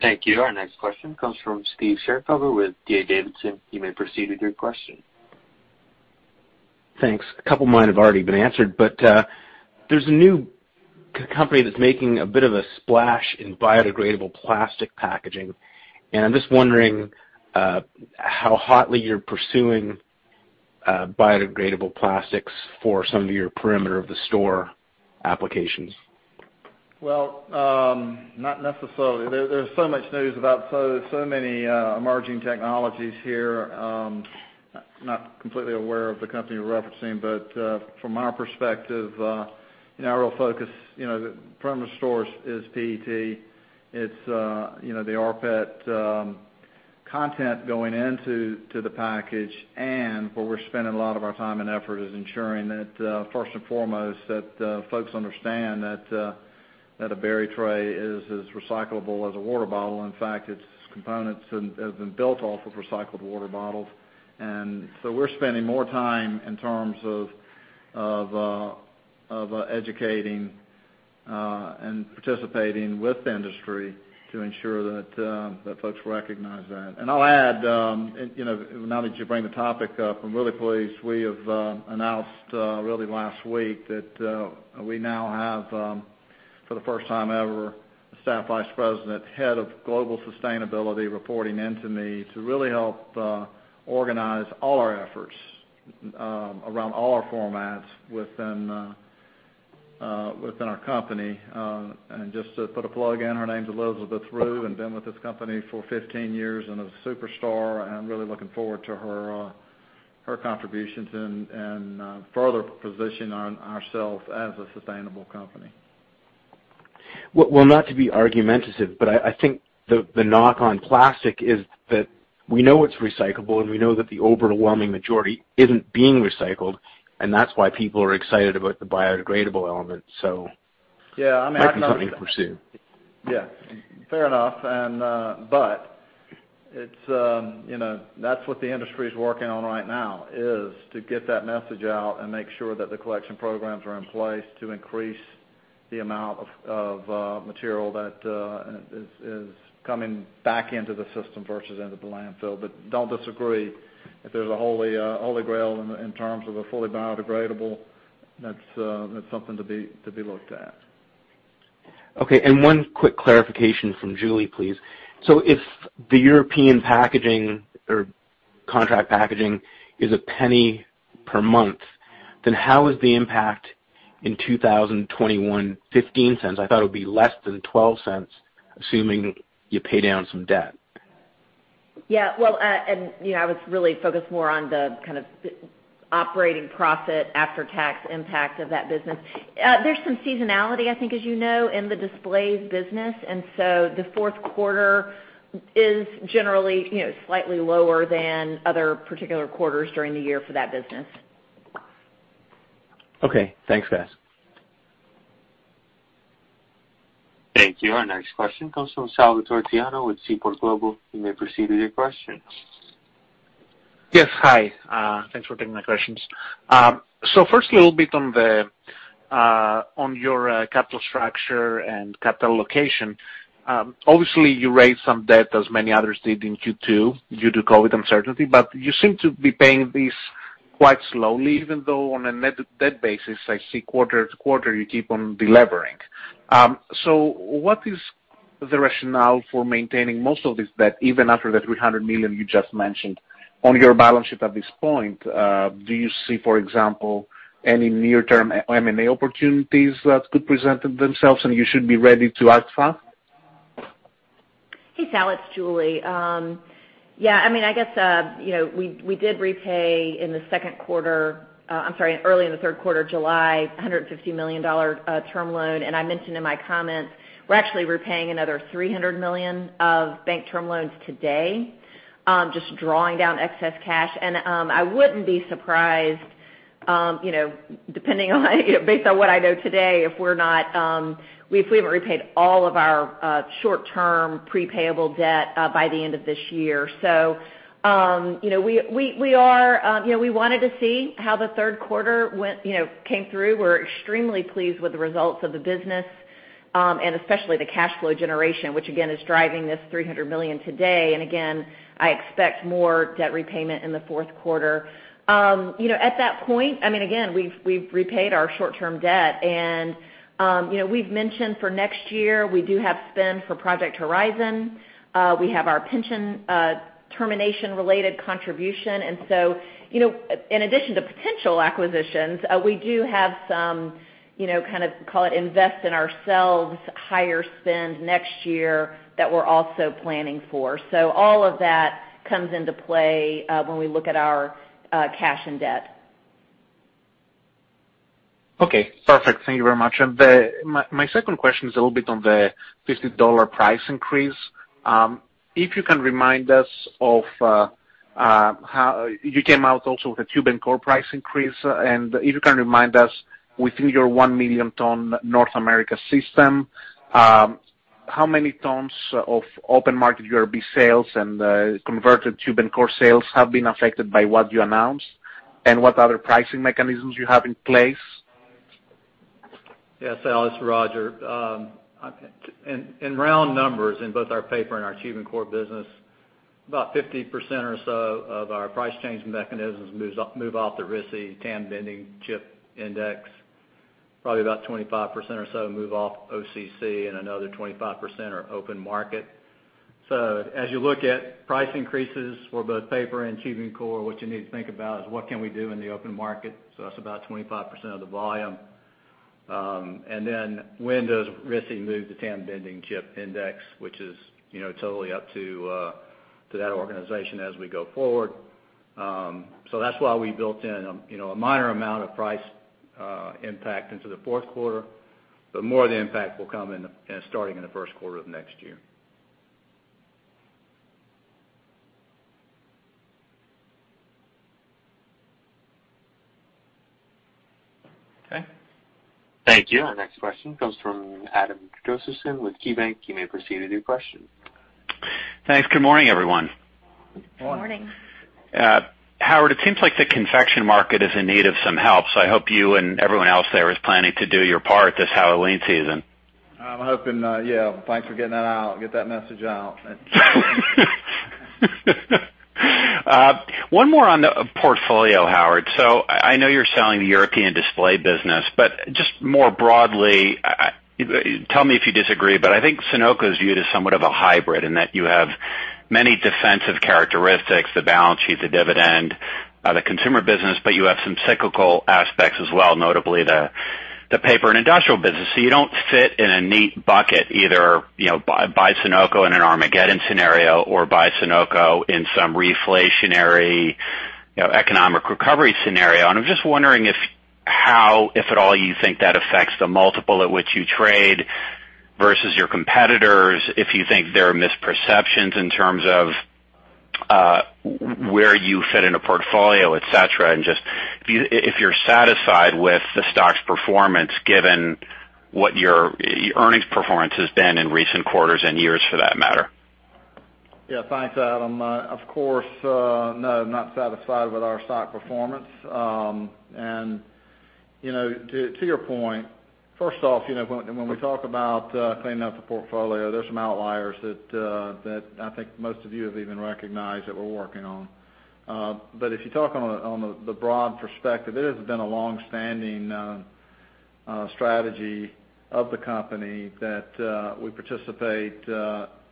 Thank you. Our next question comes from Steve Schaeffer with D.A. Davidson. You may proceed with your question. Thanks. A couple of mine have already been answered. There's a new company that's making a bit of a splash in biodegradable plastic packaging, and I'm just wondering how hotly you're pursuing biodegradable plastics for some of your perimeter of the store applications. Well, not necessarily. There's so much news about so many emerging technologies here. I'm not completely aware of the company you're referencing, from our perspective, our real focus, the perimeter stores is PET, it's the rPET. Content going into the package and where we're spending a lot of our time and effort is ensuring that, first and foremost, that folks understand that a berry tray is as recyclable as a water bottle. In fact, its components have been built off of recycled water bottles. We're spending more time in terms of educating, and participating with the industry to ensure that folks recognize that. I'll add, now that you bring the topic up, I'm really pleased we have announced, really last week that, we now have, for the first time ever, a Staff Vice President, Head of Global Sustainability reporting in to me to really help organize all our efforts around all our formats within our company. Just to put a plug in, her name's Elizabeth Rue, and been with this company for 15 years, and is a superstar, and I'm really looking forward to her contributions and further position ourselves as a sustainable company. Well, not to be argumentative, but I think the knock on plastic is that we know it's recyclable, and we know that the overwhelming majority isn't being recycled, and that's why people are excited about the biodegradable element. Yeah. I mean. Might be something to pursue. Yeah. Fair enough. That's what the industry's working on right now is to get that message out and make sure that the collection programs are in place to increase the amount of material that is coming back into the system versus into the landfill. Don't disagree. If there's a holy grail in terms of a fully biodegradable, that's something to be looked at. Okay, one quick clarification from Julie, please. If the European packaging or contract packaging is $0.01 per month, how is the impact in 2021, $0.15? I thought it would be less than $0.12, assuming you pay down some debt. Yeah. Well, I was really focused more on the kind of operating profit after-tax impact of that business. There's some seasonality, I think, as you know, in the displays business, and so the fourth quarter is generally slightly lower than other particular quarters during the year for that business. Okay. Thanks, guys. Thank you. Our next question comes from Salvator Tiano with Seaport Global. You may proceed with your questions. Yes. Hi. Thanks for taking my questions. So first little bit on your capital structure and capital alocation. Obviously you raised some debt, as many others did in Q2 due to COVID uncertainty, but you seem to be paying this quite slowly, even though on a net debt basis, I see quarter to quarter, you keep on delevering. What is the rationale for maintaining most of this debt even after that $300 million you just mentioned on your balance sheet at this point? Do you see, for example, any near-term M&A opportunities that could presented themselves, and you should be ready to act fast? Hey, Sal, it's Julie. Yeah, I guess we did repay in the second quarter, I'm sorry, early in the third quarter of July, $150 million term loan. I mentioned in my comments, we're actually repaying another $300 million of bank term loans today, just drawing down excess cash. I wouldn't be surprised, based on what I know today, if we haven't repaid all of our short-term, pre-payable debt by the end of this year. We wanted to see how the third quarter came through. We're extremely pleased with the results of the business, and especially the cash flow generation, which again, is driving this $300 million today. Again, I expect more debt repayment in the fourth quarter. At that point, again, we've repaid our short-term debt and we've mentioned for next year, we do have spend for Project Horizon. We have our pension termination related contribution, and so, in addition to potential acquisitions, we do have some kind of call it invest in ourselves higher spend next year that we're also planning for. All of that comes into play when we look at our cash and debt. Okay, perfect. Thank you very much. My second question is a little bit on the $50 price increase. If you can remind us of how you came out also with the tube and core price increase, if you can remind us within your 1 million ton North America system, how many tons of open market URB sales and converted tube and core sales have been affected by what you announced? What other pricing mechanisms you have in place? Yes, Sal, it's Roger. In round numbers, in both our paper and our tube and core business, about 50% or so of our price changing mechanisms move off the RISI, tube and core index, probably about 25% or so move off OCC, and another 25% are open market. As you look at price increases for both paper and tube and core, what you need to think about is what can we do in the open market. That's about 25% of the volume. Then when does RISI move the tube and core index, which is totally up to that organization as we go forward. That's why we built in a minor amount of price impact into the fourth quarter, but more of the impact will come starting in the first quarter of next year. Okay. Thank you. Our next question comes from Adam Josephson with KeyBanc. You may proceed with your question. Thanks. Good morning, everyone. Good morning. Howard, it seems like the confection market is in need of some help, so I hope you and everyone else there is planning to do your part this Halloween season. I'm hoping. Yeah. Thanks for getting that out. Get that message out. One more on the portfolio, Howard. I know you're selling the European display business, but just more broadly, tell me if you disagree, but I think Sonoco is viewed as somewhat of a hybrid in that you have many defensive characteristics, the balance sheet, the dividend, the consumer business, but you have some cyclical aspects as well, notably the paper and industrial business. You don't fit in a neat bucket, either buy Sonoco in an Armageddon scenario or buy Sonoco in some reflationary economic recovery scenario. I'm just wondering how, if at all, you think that affects the multiple at which you trade versus your competitors, if you think there are misperceptions in terms of where you fit in a portfolio, et cetera. If you're satisfied with the stock's performance given what your earnings performance has been in recent quarters and years, for that matter. Yeah. Thanks, Adam. Of course, no, I'm not satisfied with our stock performance. To your point, first off, when we talk about cleaning up the portfolio, there's some outliers that I think most of you have even recognized that we're working on. If you talk on the broad perspective, it has been a longstanding strategy of the company that we participate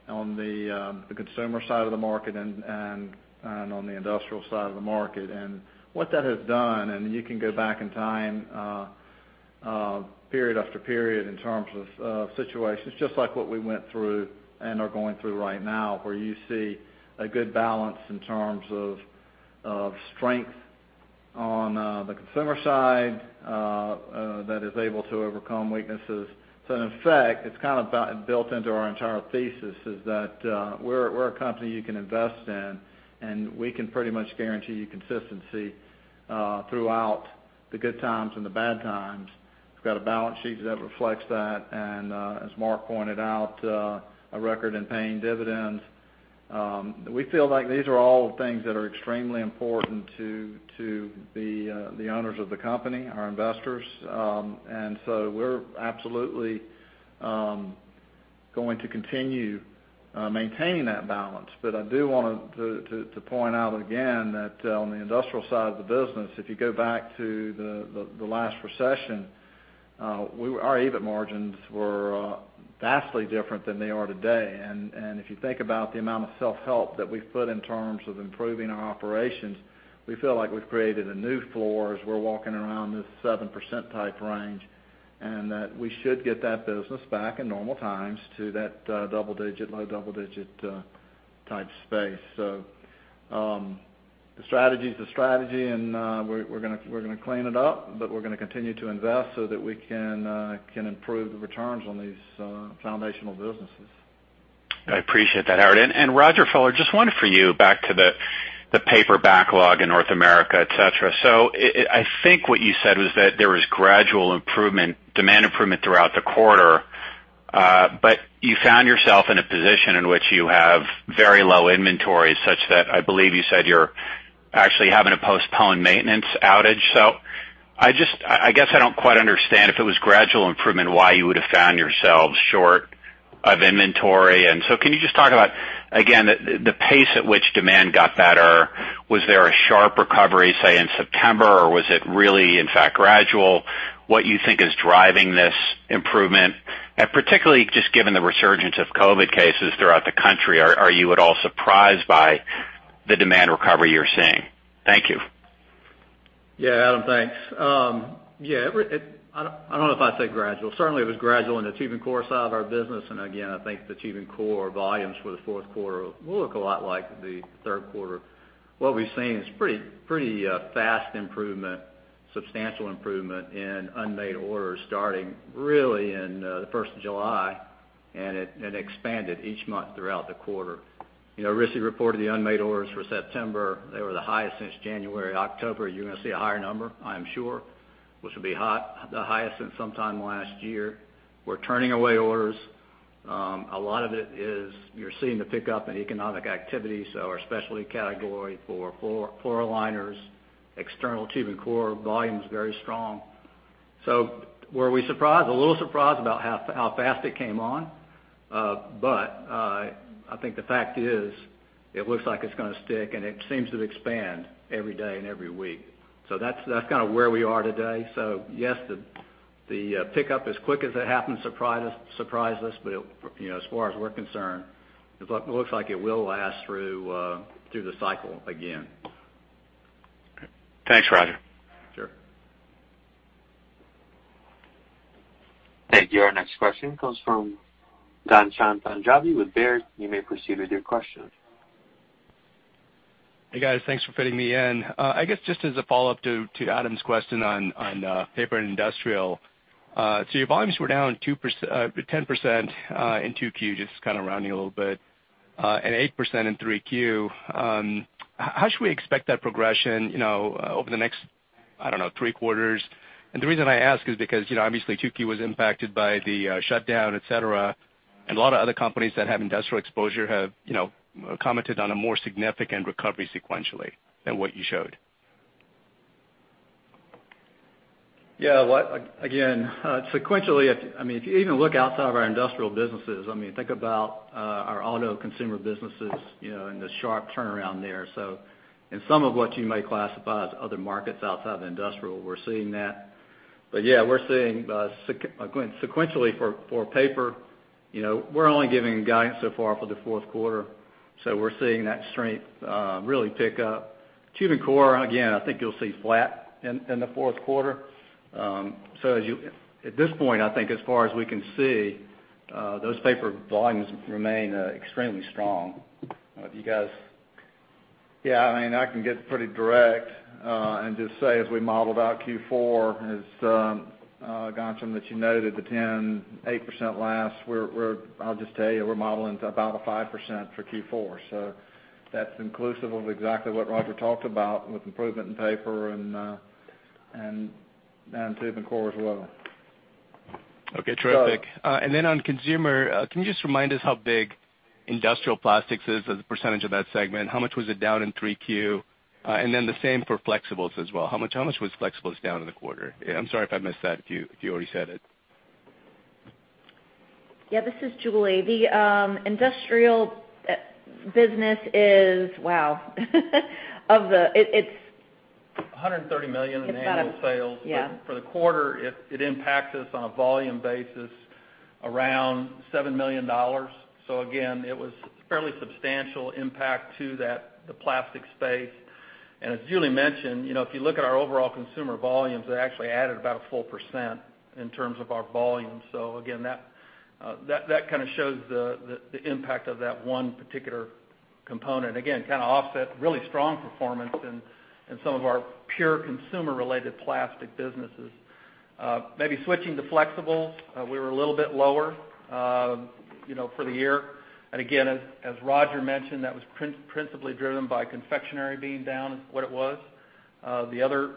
on the consumer side of the market and on the industrial side of the market. What that has done, and you can go back in time, period after period, in terms of situations just like what we went through and are going through right now, where you see a good balance in terms of strength on the consumer side that is able to overcome weaknesses. In effect, it's kind of built into our entire thesis is that we're a company you can invest in, and we can pretty much guarantee you consistency throughout the good times and the bad times. We've got a balance sheet that reflects that, and as Mark pointed out, a record in paying dividends. We feel like these are all things that are extremely important to the owners of the company, our investors. We're absolutely going to continue maintaining that balance. I do want to point out again that on the industrial side of the business, if you go back to the last recession, our EBIT margins were vastly different than they are today. If you think about the amount of self-help that we've put in terms of improving our operations, we feel like we've created a new floor as we're walking around this 7% type range, and that we should get that business back in normal times to that low double digit type space. The strategy's the strategy, and we're going to clean it up, but we're going to continue to invest so that we can improve the returns on these foundational businesses. I appreciate that, Howard. Rodger Fuller, just one for you back to the paper backlog in North America, et cetera. I think what you said was that there was gradual demand improvement throughout the quarter, but you found yourself in a position in which you have very low inventory such that I believe you said you're actually having to postpone maintenance outage. I guess I don't quite understand if it was gradual improvement, why you would have found yourselves short of inventory. Can you just talk about, again, the pace at which demand got better? Was there a sharp recovery, say, in September, or was it really, in fact, gradual? What you think is driving this improvement, and particularly just given the resurgence of COVID cases throughout the country, are you at all surprised by the demand recovery you're seeing? Thank you. Yeah, Adam. Thanks. Yeah. I don't know if I'd say gradual. Certainly, it was gradual in the tubing core side of our business. Again, I think the tubing core volumes for the fourth quarter will look a lot like the third quarter. What we've seen is pretty fast improvement, substantial improvement in unmade orders starting really in the 1st of July, and it expanded each month throughout the quarter. RISI reported the unmade orders for September. They were the highest since January. October, you're going to see a higher number, I am sure, which will be the highest since sometime last year. We're turning away orders. A lot of it is you're seeing the pickup in economic activity. Our specialty category for floor liners, external tubing core volume is very strong. Were we surprised? A little surprised about how fast it came on. I think the fact is it looks like it's going to stick, and it seems to expand every day and every week. That's kind of where we are today. Yes, the pickup as quick as it happened surprised us, but as far as we're concerned, it looks like it will last through the cycle again. Okay. Thanks, Roger. Sure. Thank you. Our next question comes from Ghansham Panjabi with Baird. You may proceed with your question. Hey, guys. Thanks for fitting me in. I guess just as a follow-up to Adam's question on Paper and Industrial. Your volumes were down 10% in Q2, just kind of rounding a little bit, and 8% in Q3. How should we expect that progression over the next, I don't know, three quarters? The reason I ask is because obviously Q2 was impacted by the shutdown, et cetera, and a lot of other companies that have industrial exposure have commented on a more significant recovery sequentially than what you showed. Yeah. Again, sequentially, if you even look outside of our industrial businesses, think about our auto consumer businesses, and the sharp turnaround there. In some of what you may classify as other markets outside of industrial, we're seeing that. Yeah, we're seeing sequentially for paper, we're only giving guidance so far for the fourth quarter. We're seeing that strength really pick up. Tube and core, again, I think you'll see flat in the fourth quarter. At this point, I think as far as we can see, those paper volumes remain extremely strong. Yeah, I can get pretty direct, and just say as we modeled out Q4, as Ghansham, that you noted the 10%, 8% last, I'll just tell you, we're modeling to about a 5% for Q4. That's inclusive of exactly what Rodger talked about with improvement in paper and tube and core as well. Okay, terrific. So. On Consumer, can you just remind us how big industrial plastics is as a percentage of that segment? How much was it down in Q3? The same for flexibles as well. How much was flexibles down in the quarter? I'm sorry if I missed that, if you already said it. Yeah, this is Julie. The industrial business is, wow. $130 million in annual sales. Yeah. For the quarter, it impacts us on a volume basis around $7 million. Again, it was fairly substantial impact to the plastic space. As Julie mentioned, if you look at our overall consumer volumes, they actually added about a 1% in terms of our volume. Again, that kind of shows the impact of that one particular component. Again, kind of offset really strong performance in some of our pure consumer-related plastic businesses. Switching to flexible, we were a little bit lower for the year. Again, as Rodger mentioned, that was principally driven by confectionery being down, is what it was. The other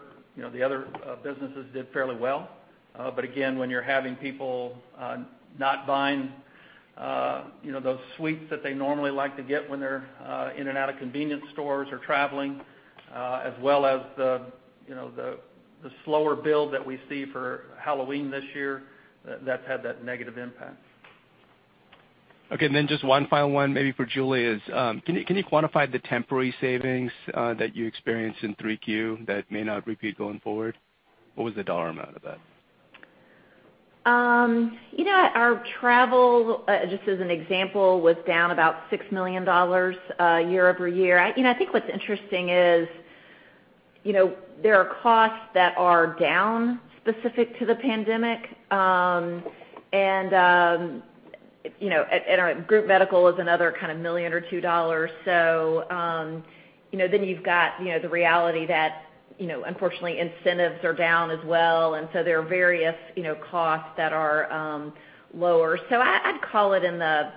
businesses did fairly well. Again, when you're having people not buying those sweets that they normally like to get when they're in and out of convenience stores or traveling, as well as the slower build that we see for Halloween this year, that's had that negative impact. Okay, just one final one maybe for Julie is, can you quantify the temporary savings that you experienced in Q3 that may not repeat going forward? What was the dollar amount of that? Our travel, just as an example, was down about $6 million year-over-year. I think what's interesting is there are costs that are down specific to the pandemic. Group medical is another kind of $1 million or $2. Then you've got the reality that unfortunately incentives are down as well, and so there are various costs that are lower. I'd call it in the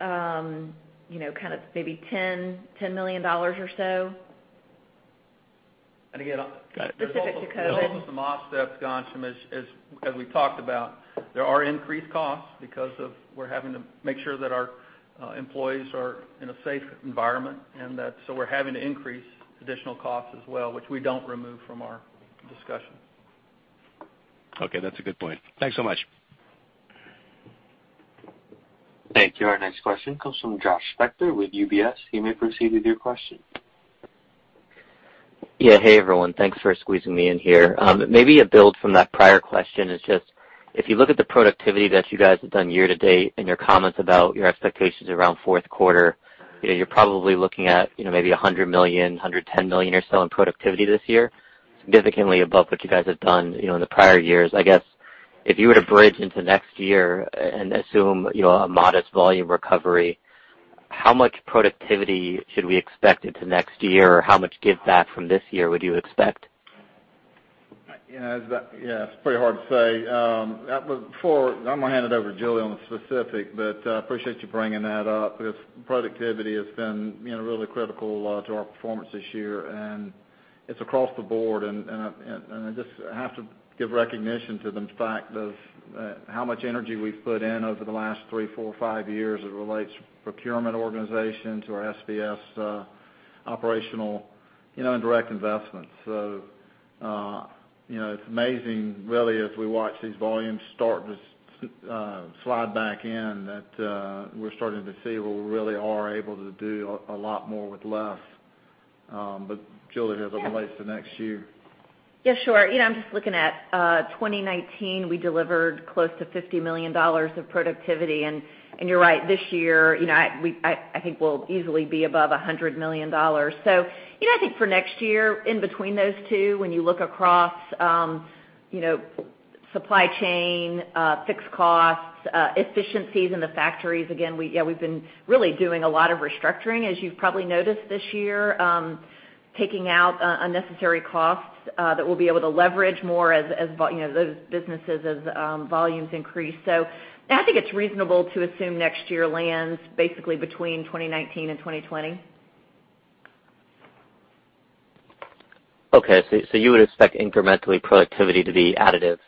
kind of maybe $10 million or so. And again- Specific to COVID. Those are some offsets, Ghansham, as we've talked about. There are increased costs because we're having to make sure that our employees are in a safe environment, and so we're having to increase additional costs as well, which we don't remove from our discussion. Okay, that's a good point. Thanks so much. Thank you. Our next question comes from Josh Spector with UBS. Yeah. Hey, everyone. Thanks for squeezing me in here. Maybe a build from that prior question is just, if you look at the productivity that you guys have done year-to-date and your comments about your expectations around fourth quarter, you're probably looking at maybe $100 million, $110 million or so in productivity this year, significantly above what you guys have done in the prior years. I guess, if you were to bridge into next year and assume a modest volume recovery, how much productivity should we expect into next year? Or how much give back from this year would you expect? Yeah. It's pretty hard to say. I'm going to hand it over to Julie on the specific, but I appreciate you bringing that up because productivity has been really critical to our performance this year, and it's across the board. I just have to give recognition to the fact of how much energy we've put in over the last three, four, five years as it relates to procurement organizations or SBS operational and direct investments. It's amazing, really, as we watch these volumes start to slide back in that we're starting to see where we really are able to do a lot more with less. Julie, as it relates to next year. Yeah, sure. I'm just looking at 2019. We delivered close to $50 million of productivity. You're right, this year, I think we'll easily be above $100 million. I think for next year, in between those two, when you look across Supply chain, fixed costs, efficiencies in the factories. Again, we've been really doing a lot of restructuring, as you've probably noticed this year, taking out unnecessary costs that we'll be able to leverage more as those businesses, as volumes increase. I think it's reasonable to assume next year lands basically between 2019 and 2020. Okay, you would expect incrementally productivity to be additive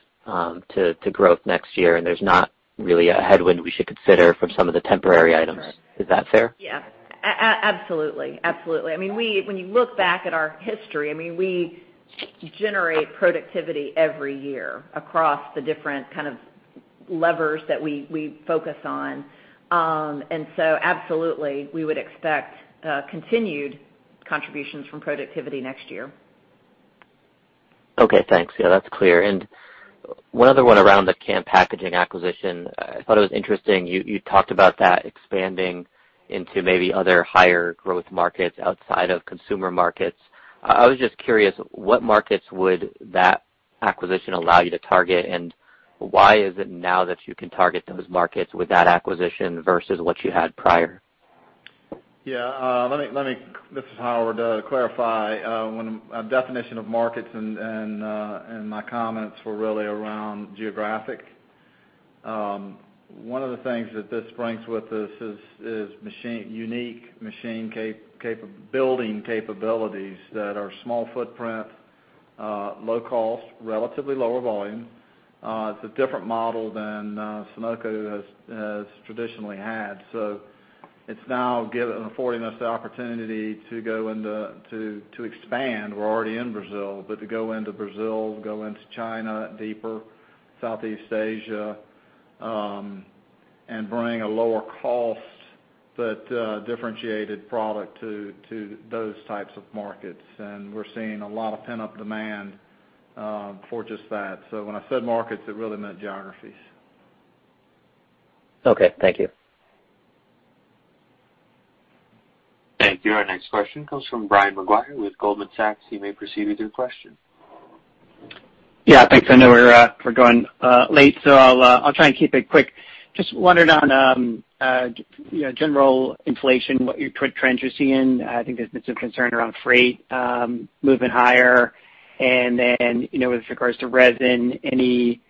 to growth next year, and there's not really a headwind we should consider from some of the temporary items. Is that fair? Yeah. Absolutely. When you look back at our history, we generate productivity every year across the different levers that we focus on. Absolutely, we would expect continued contributions from productivity next year. Okay, thanks. Yeah, that's clear. One other one around the Can Packaging acquisition. I thought it was interesting you talked about that expanding into maybe other higher growth markets outside of consumer markets. I was just curious, what markets would that acquisition allow you to target, and why is it now that you can target those markets with that acquisition versus what you had prior? Yeah. This is Howard. To clarify, our definition of markets and my comments were really around geographic. One of the things that this brings with this is unique machine building capabilities that are small footprint, low cost, relatively lower volume. It's a different model than Sonoco has traditionally had. It's now affording us the opportunity to expand. We're already in Brazil, to go into Brazil, go into China deeper, Southeast Asia, and bring a lower cost but differentiated product to those types of markets. We're seeing a lot of pent-up demand for just that. When I said markets, it really meant geographies. Okay, thank you. Thank you. Our next question comes from Brian Maguire with Goldman Sachs. You may proceed with your question. Yeah, thanks. I know we're going late, so I'll try and keep it quick. Just wondering on general inflation, what trends you're seeing. I think there's been some concern around freight moving higher. Then, with regards to resin, any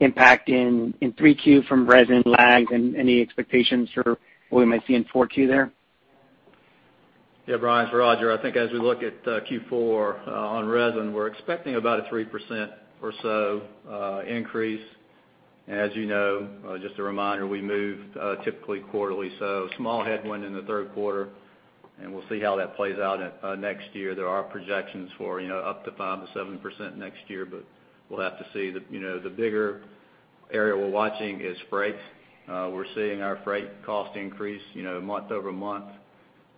impact in Q3 from resin lags and any expectations for what we might see in Q4 there? Yeah, Brian, it's Rodger. I think as we look at Q4 on resin, we're expecting about a 3% or so increase. As you know, just a reminder, we move typically quarterly, so small headwind in the third quarter, and we'll see how that plays out next year. There are projections for up to 5%-7% next year, but we'll have to see. The bigger area we're watching is freight. We're seeing our freight cost increase month-over-month.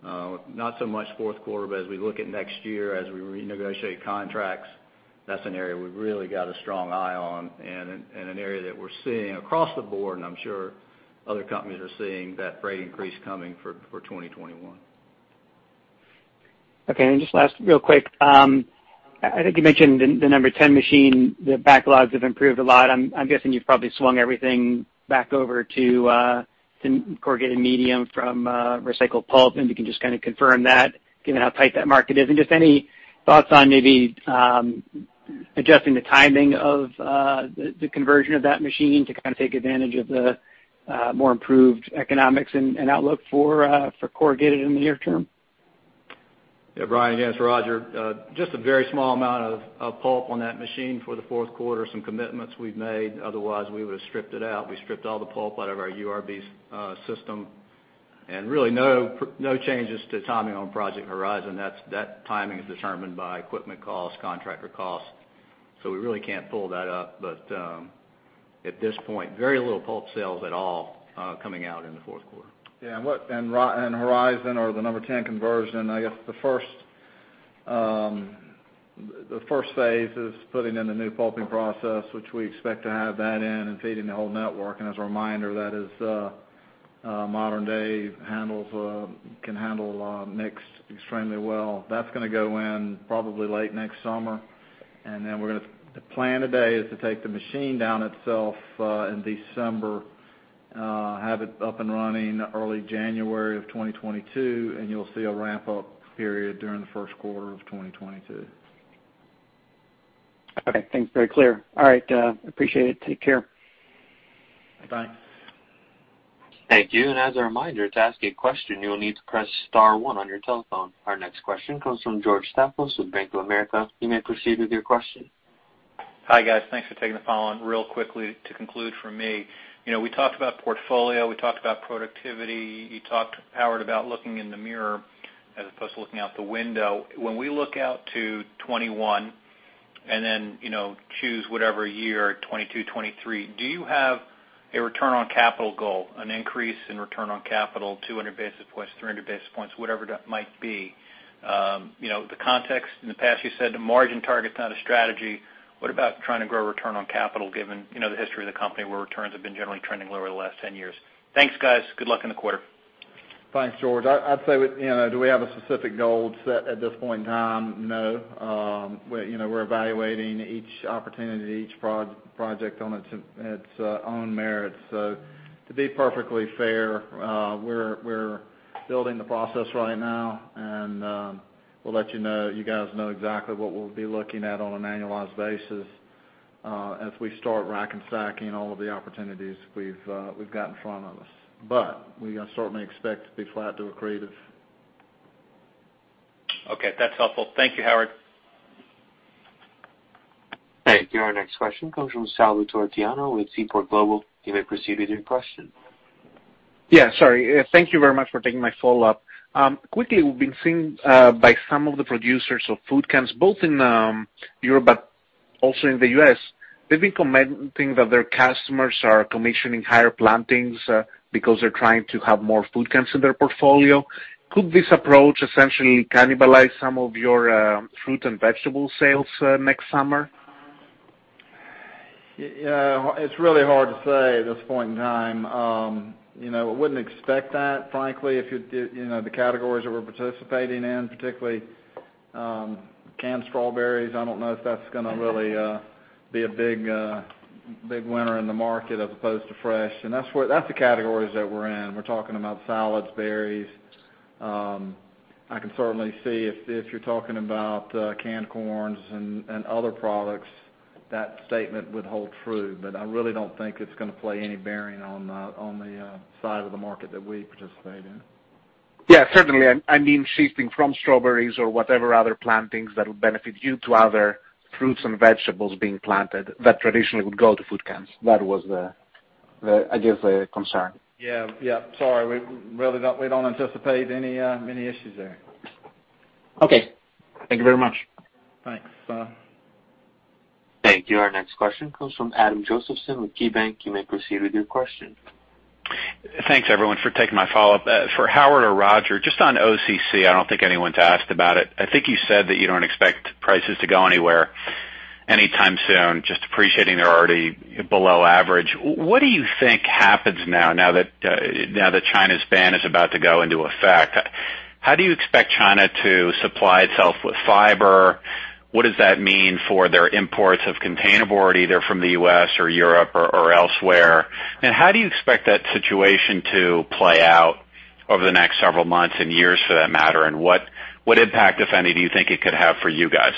Not so much fourth quarter, but as we look at next year, as we renegotiate contracts, that's an area we've really got a strong eye on and an area that we're seeing across the board, and I'm sure other companies are seeing that freight increase coming for 2021. Okay. Just last, real quick. I think you mentioned the No. 10 machine, the backlogs have improved a lot. I'm guessing you've probably swung everything back over to corrugated medium from recycled pulp, we can just kind of confirm that given how tight that market is. Just any thoughts on maybe adjusting the timing of the conversion of that machine to kind of take advantage of the more improved economics and outlook for corrugated in the near term? Yeah, Brian, again, it's Rodger. Just a very small amount of pulp on that machine for the fourth quarter, some commitments we've made, otherwise we would've stripped it out. We stripped all the pulp out of our URB system. Really no changes to timing on Project Horizon. That timing is determined by equipment costs, contractor costs. We really can't pull that up. At this point, very little pulp sales at all coming out in the fourth quarter. Yeah, Horizon or the No. 10 conversion, I guess the first phase is putting in the new pulping process, which we expect to have that in and feeding the whole network. As a reminder, that is modern day, can handle mixed extremely well. That's going to go in probably late next summer. The plan today is to take the machine down itself in December, have it up and running early January of 2022, and you'll see a ramp-up period during the first quarter of 2022. Okay, thanks. Very clear. All right, appreciate it. Take care. Bye. Bye. Thank you. As a reminder, to ask a question, you will need to press star one on your telephone. Our next question comes from George Staphos with Bank of America. You may proceed with your question. Hi, guys. Thanks for taking the call. Real quickly to conclude for me. We talked about portfolio, we talked about productivity. You talked, Howard, about looking in the mirror as opposed to looking out the window. When we look out to 2021, and then choose whatever year, 2022, 2023, do you have a return on capital goal, an increase in return on capital, 200 basis points, 300 basis points, whatever that might be? The context in the past, you said the margin target's not a strategy. What about trying to grow return on capital given the history of the company where returns have been generally trending lower the last 10 years? Thanks, guys. Good luck in the quarter. Thanks, George. I'd say, do we have a specific goal set at this point in time? No. We're evaluating each opportunity, each project on its own merits. To be perfectly fair, we're building the process right now, and we'll let you guys know exactly what we'll be looking at on an annualized basis, as we start rack and stacking all of the opportunities we've got in front of us. We certainly expect to be flat to accretive. Okay. That's helpful. Thank you, Howard. Thank you. Our next question comes from Salvator Tiano with Seaport Global. You may proceed with your question. Yeah, sorry. Thank you very much for taking my follow-up. Quickly, we've been seeing by some of the producers of food cans, both in Europe but also in the U.S., they've been commenting that their customers are commissioning higher plantings because they're trying to have more food cans in their portfolio. Could this approach essentially cannibalize some of your fruit and vegetable sales next summer? Yeah. It's really hard to say at this point in time. I wouldn't expect that, frankly, the categories that we're participating in, particularly canned strawberries, I don't know if that's going to really be a big winner in the market as opposed to fresh. That's the categories that we're in. We're talking about salads, berries. I can certainly see if you're talking about canned corns and other products, that statement would hold true. I really don't think it's going to play any bearing on the side of the market that we participate in. Yeah, certainly. I mean, shifting from strawberries or whatever other plantings that will benefit you to other fruits and vegetables being planted that traditionally would go to food cans. That was the, I guess, the concern. Yeah. Sorry, we don't anticipate any issues there. Okay. Thank you very much. Thanks. Thank you. Our next question comes from Adam Josephson with KeyBanc. You may proceed with your question. Thanks everyone for taking my follow-up. For Howard or Roger, just on OCC, I don't think anyone's asked about it. I think you said that you don't expect prices to go anywhere anytime soon, just appreciating they're already below average. What do you think happens now that China's ban is about to go into effect? How do you expect China to supply itself with fiber? What does that mean for their imports of container board, either from the U.S. or Europe or elsewhere? How do you expect that situation to play out over the next several months and years for that matter, and what impact, if any, do you think it could have for you guys?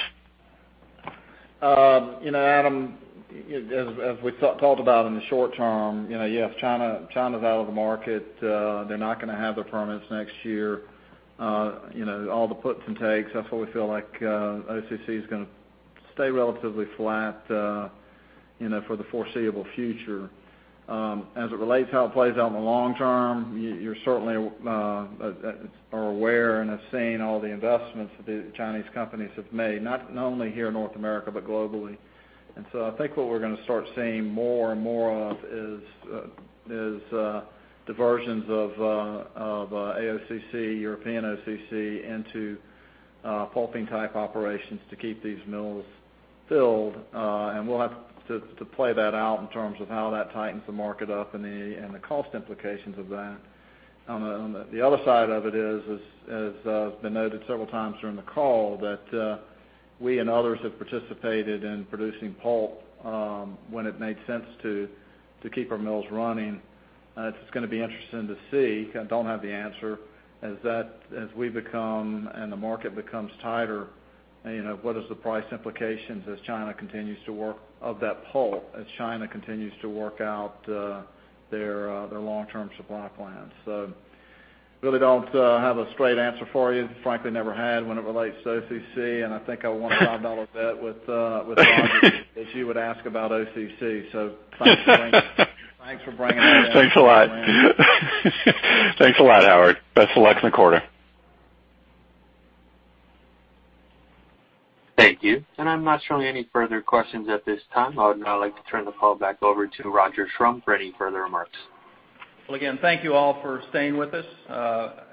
Adam, as we talked about in the short term, yes, China's out of the market. They're not going to have their permits next year. All the puts and takes, that's why we feel like OCC is going to stay relatively flat for the foreseeable future. As it relates to how it plays out in the long term, you certainly are aware and have seen all the investments that the Chinese companies have made, not only here in North America, but globally. I think what we're going to start seeing more and more of is diversions of OCC, European OCC into pulping type operations to keep these mills filled. We'll have to play that out in terms of how that tightens the market up and the cost implications of that. On the other side of it is, as has been noted several times during the call, that we and others have participated in producing pulp when it made sense to keep our mills running. It's going to be interesting to see. I don't have the answer. As we become, and the market becomes tighter, what is the price implications as China continues to work of that pulp, as China continues to work out their long-term supply plans. Really don't have a straight answer for you. Frankly, never had when it relates to OCC, and I think I won a $5 bet with Rodger if you would ask about OCC, so thanks for bringing that up. Thanks a lot. Thanks a lot, Howard. Best of luck in the quarter. Thank you. I'm not showing any further questions at this time. I would now like to turn the call back over to Rodger Schrum for any further remarks. Well, again, thank you all for staying with us,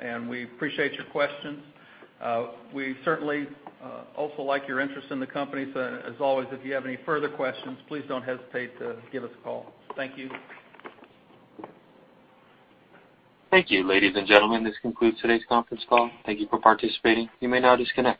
and we appreciate your questions. We certainly also like your interest in the company. As always, if you have any further questions, please don't hesitate to give us a call. Thank you. Thank you. Ladies and gentlemen, this concludes today's conference call. Thank you for participating. You may now disconnect.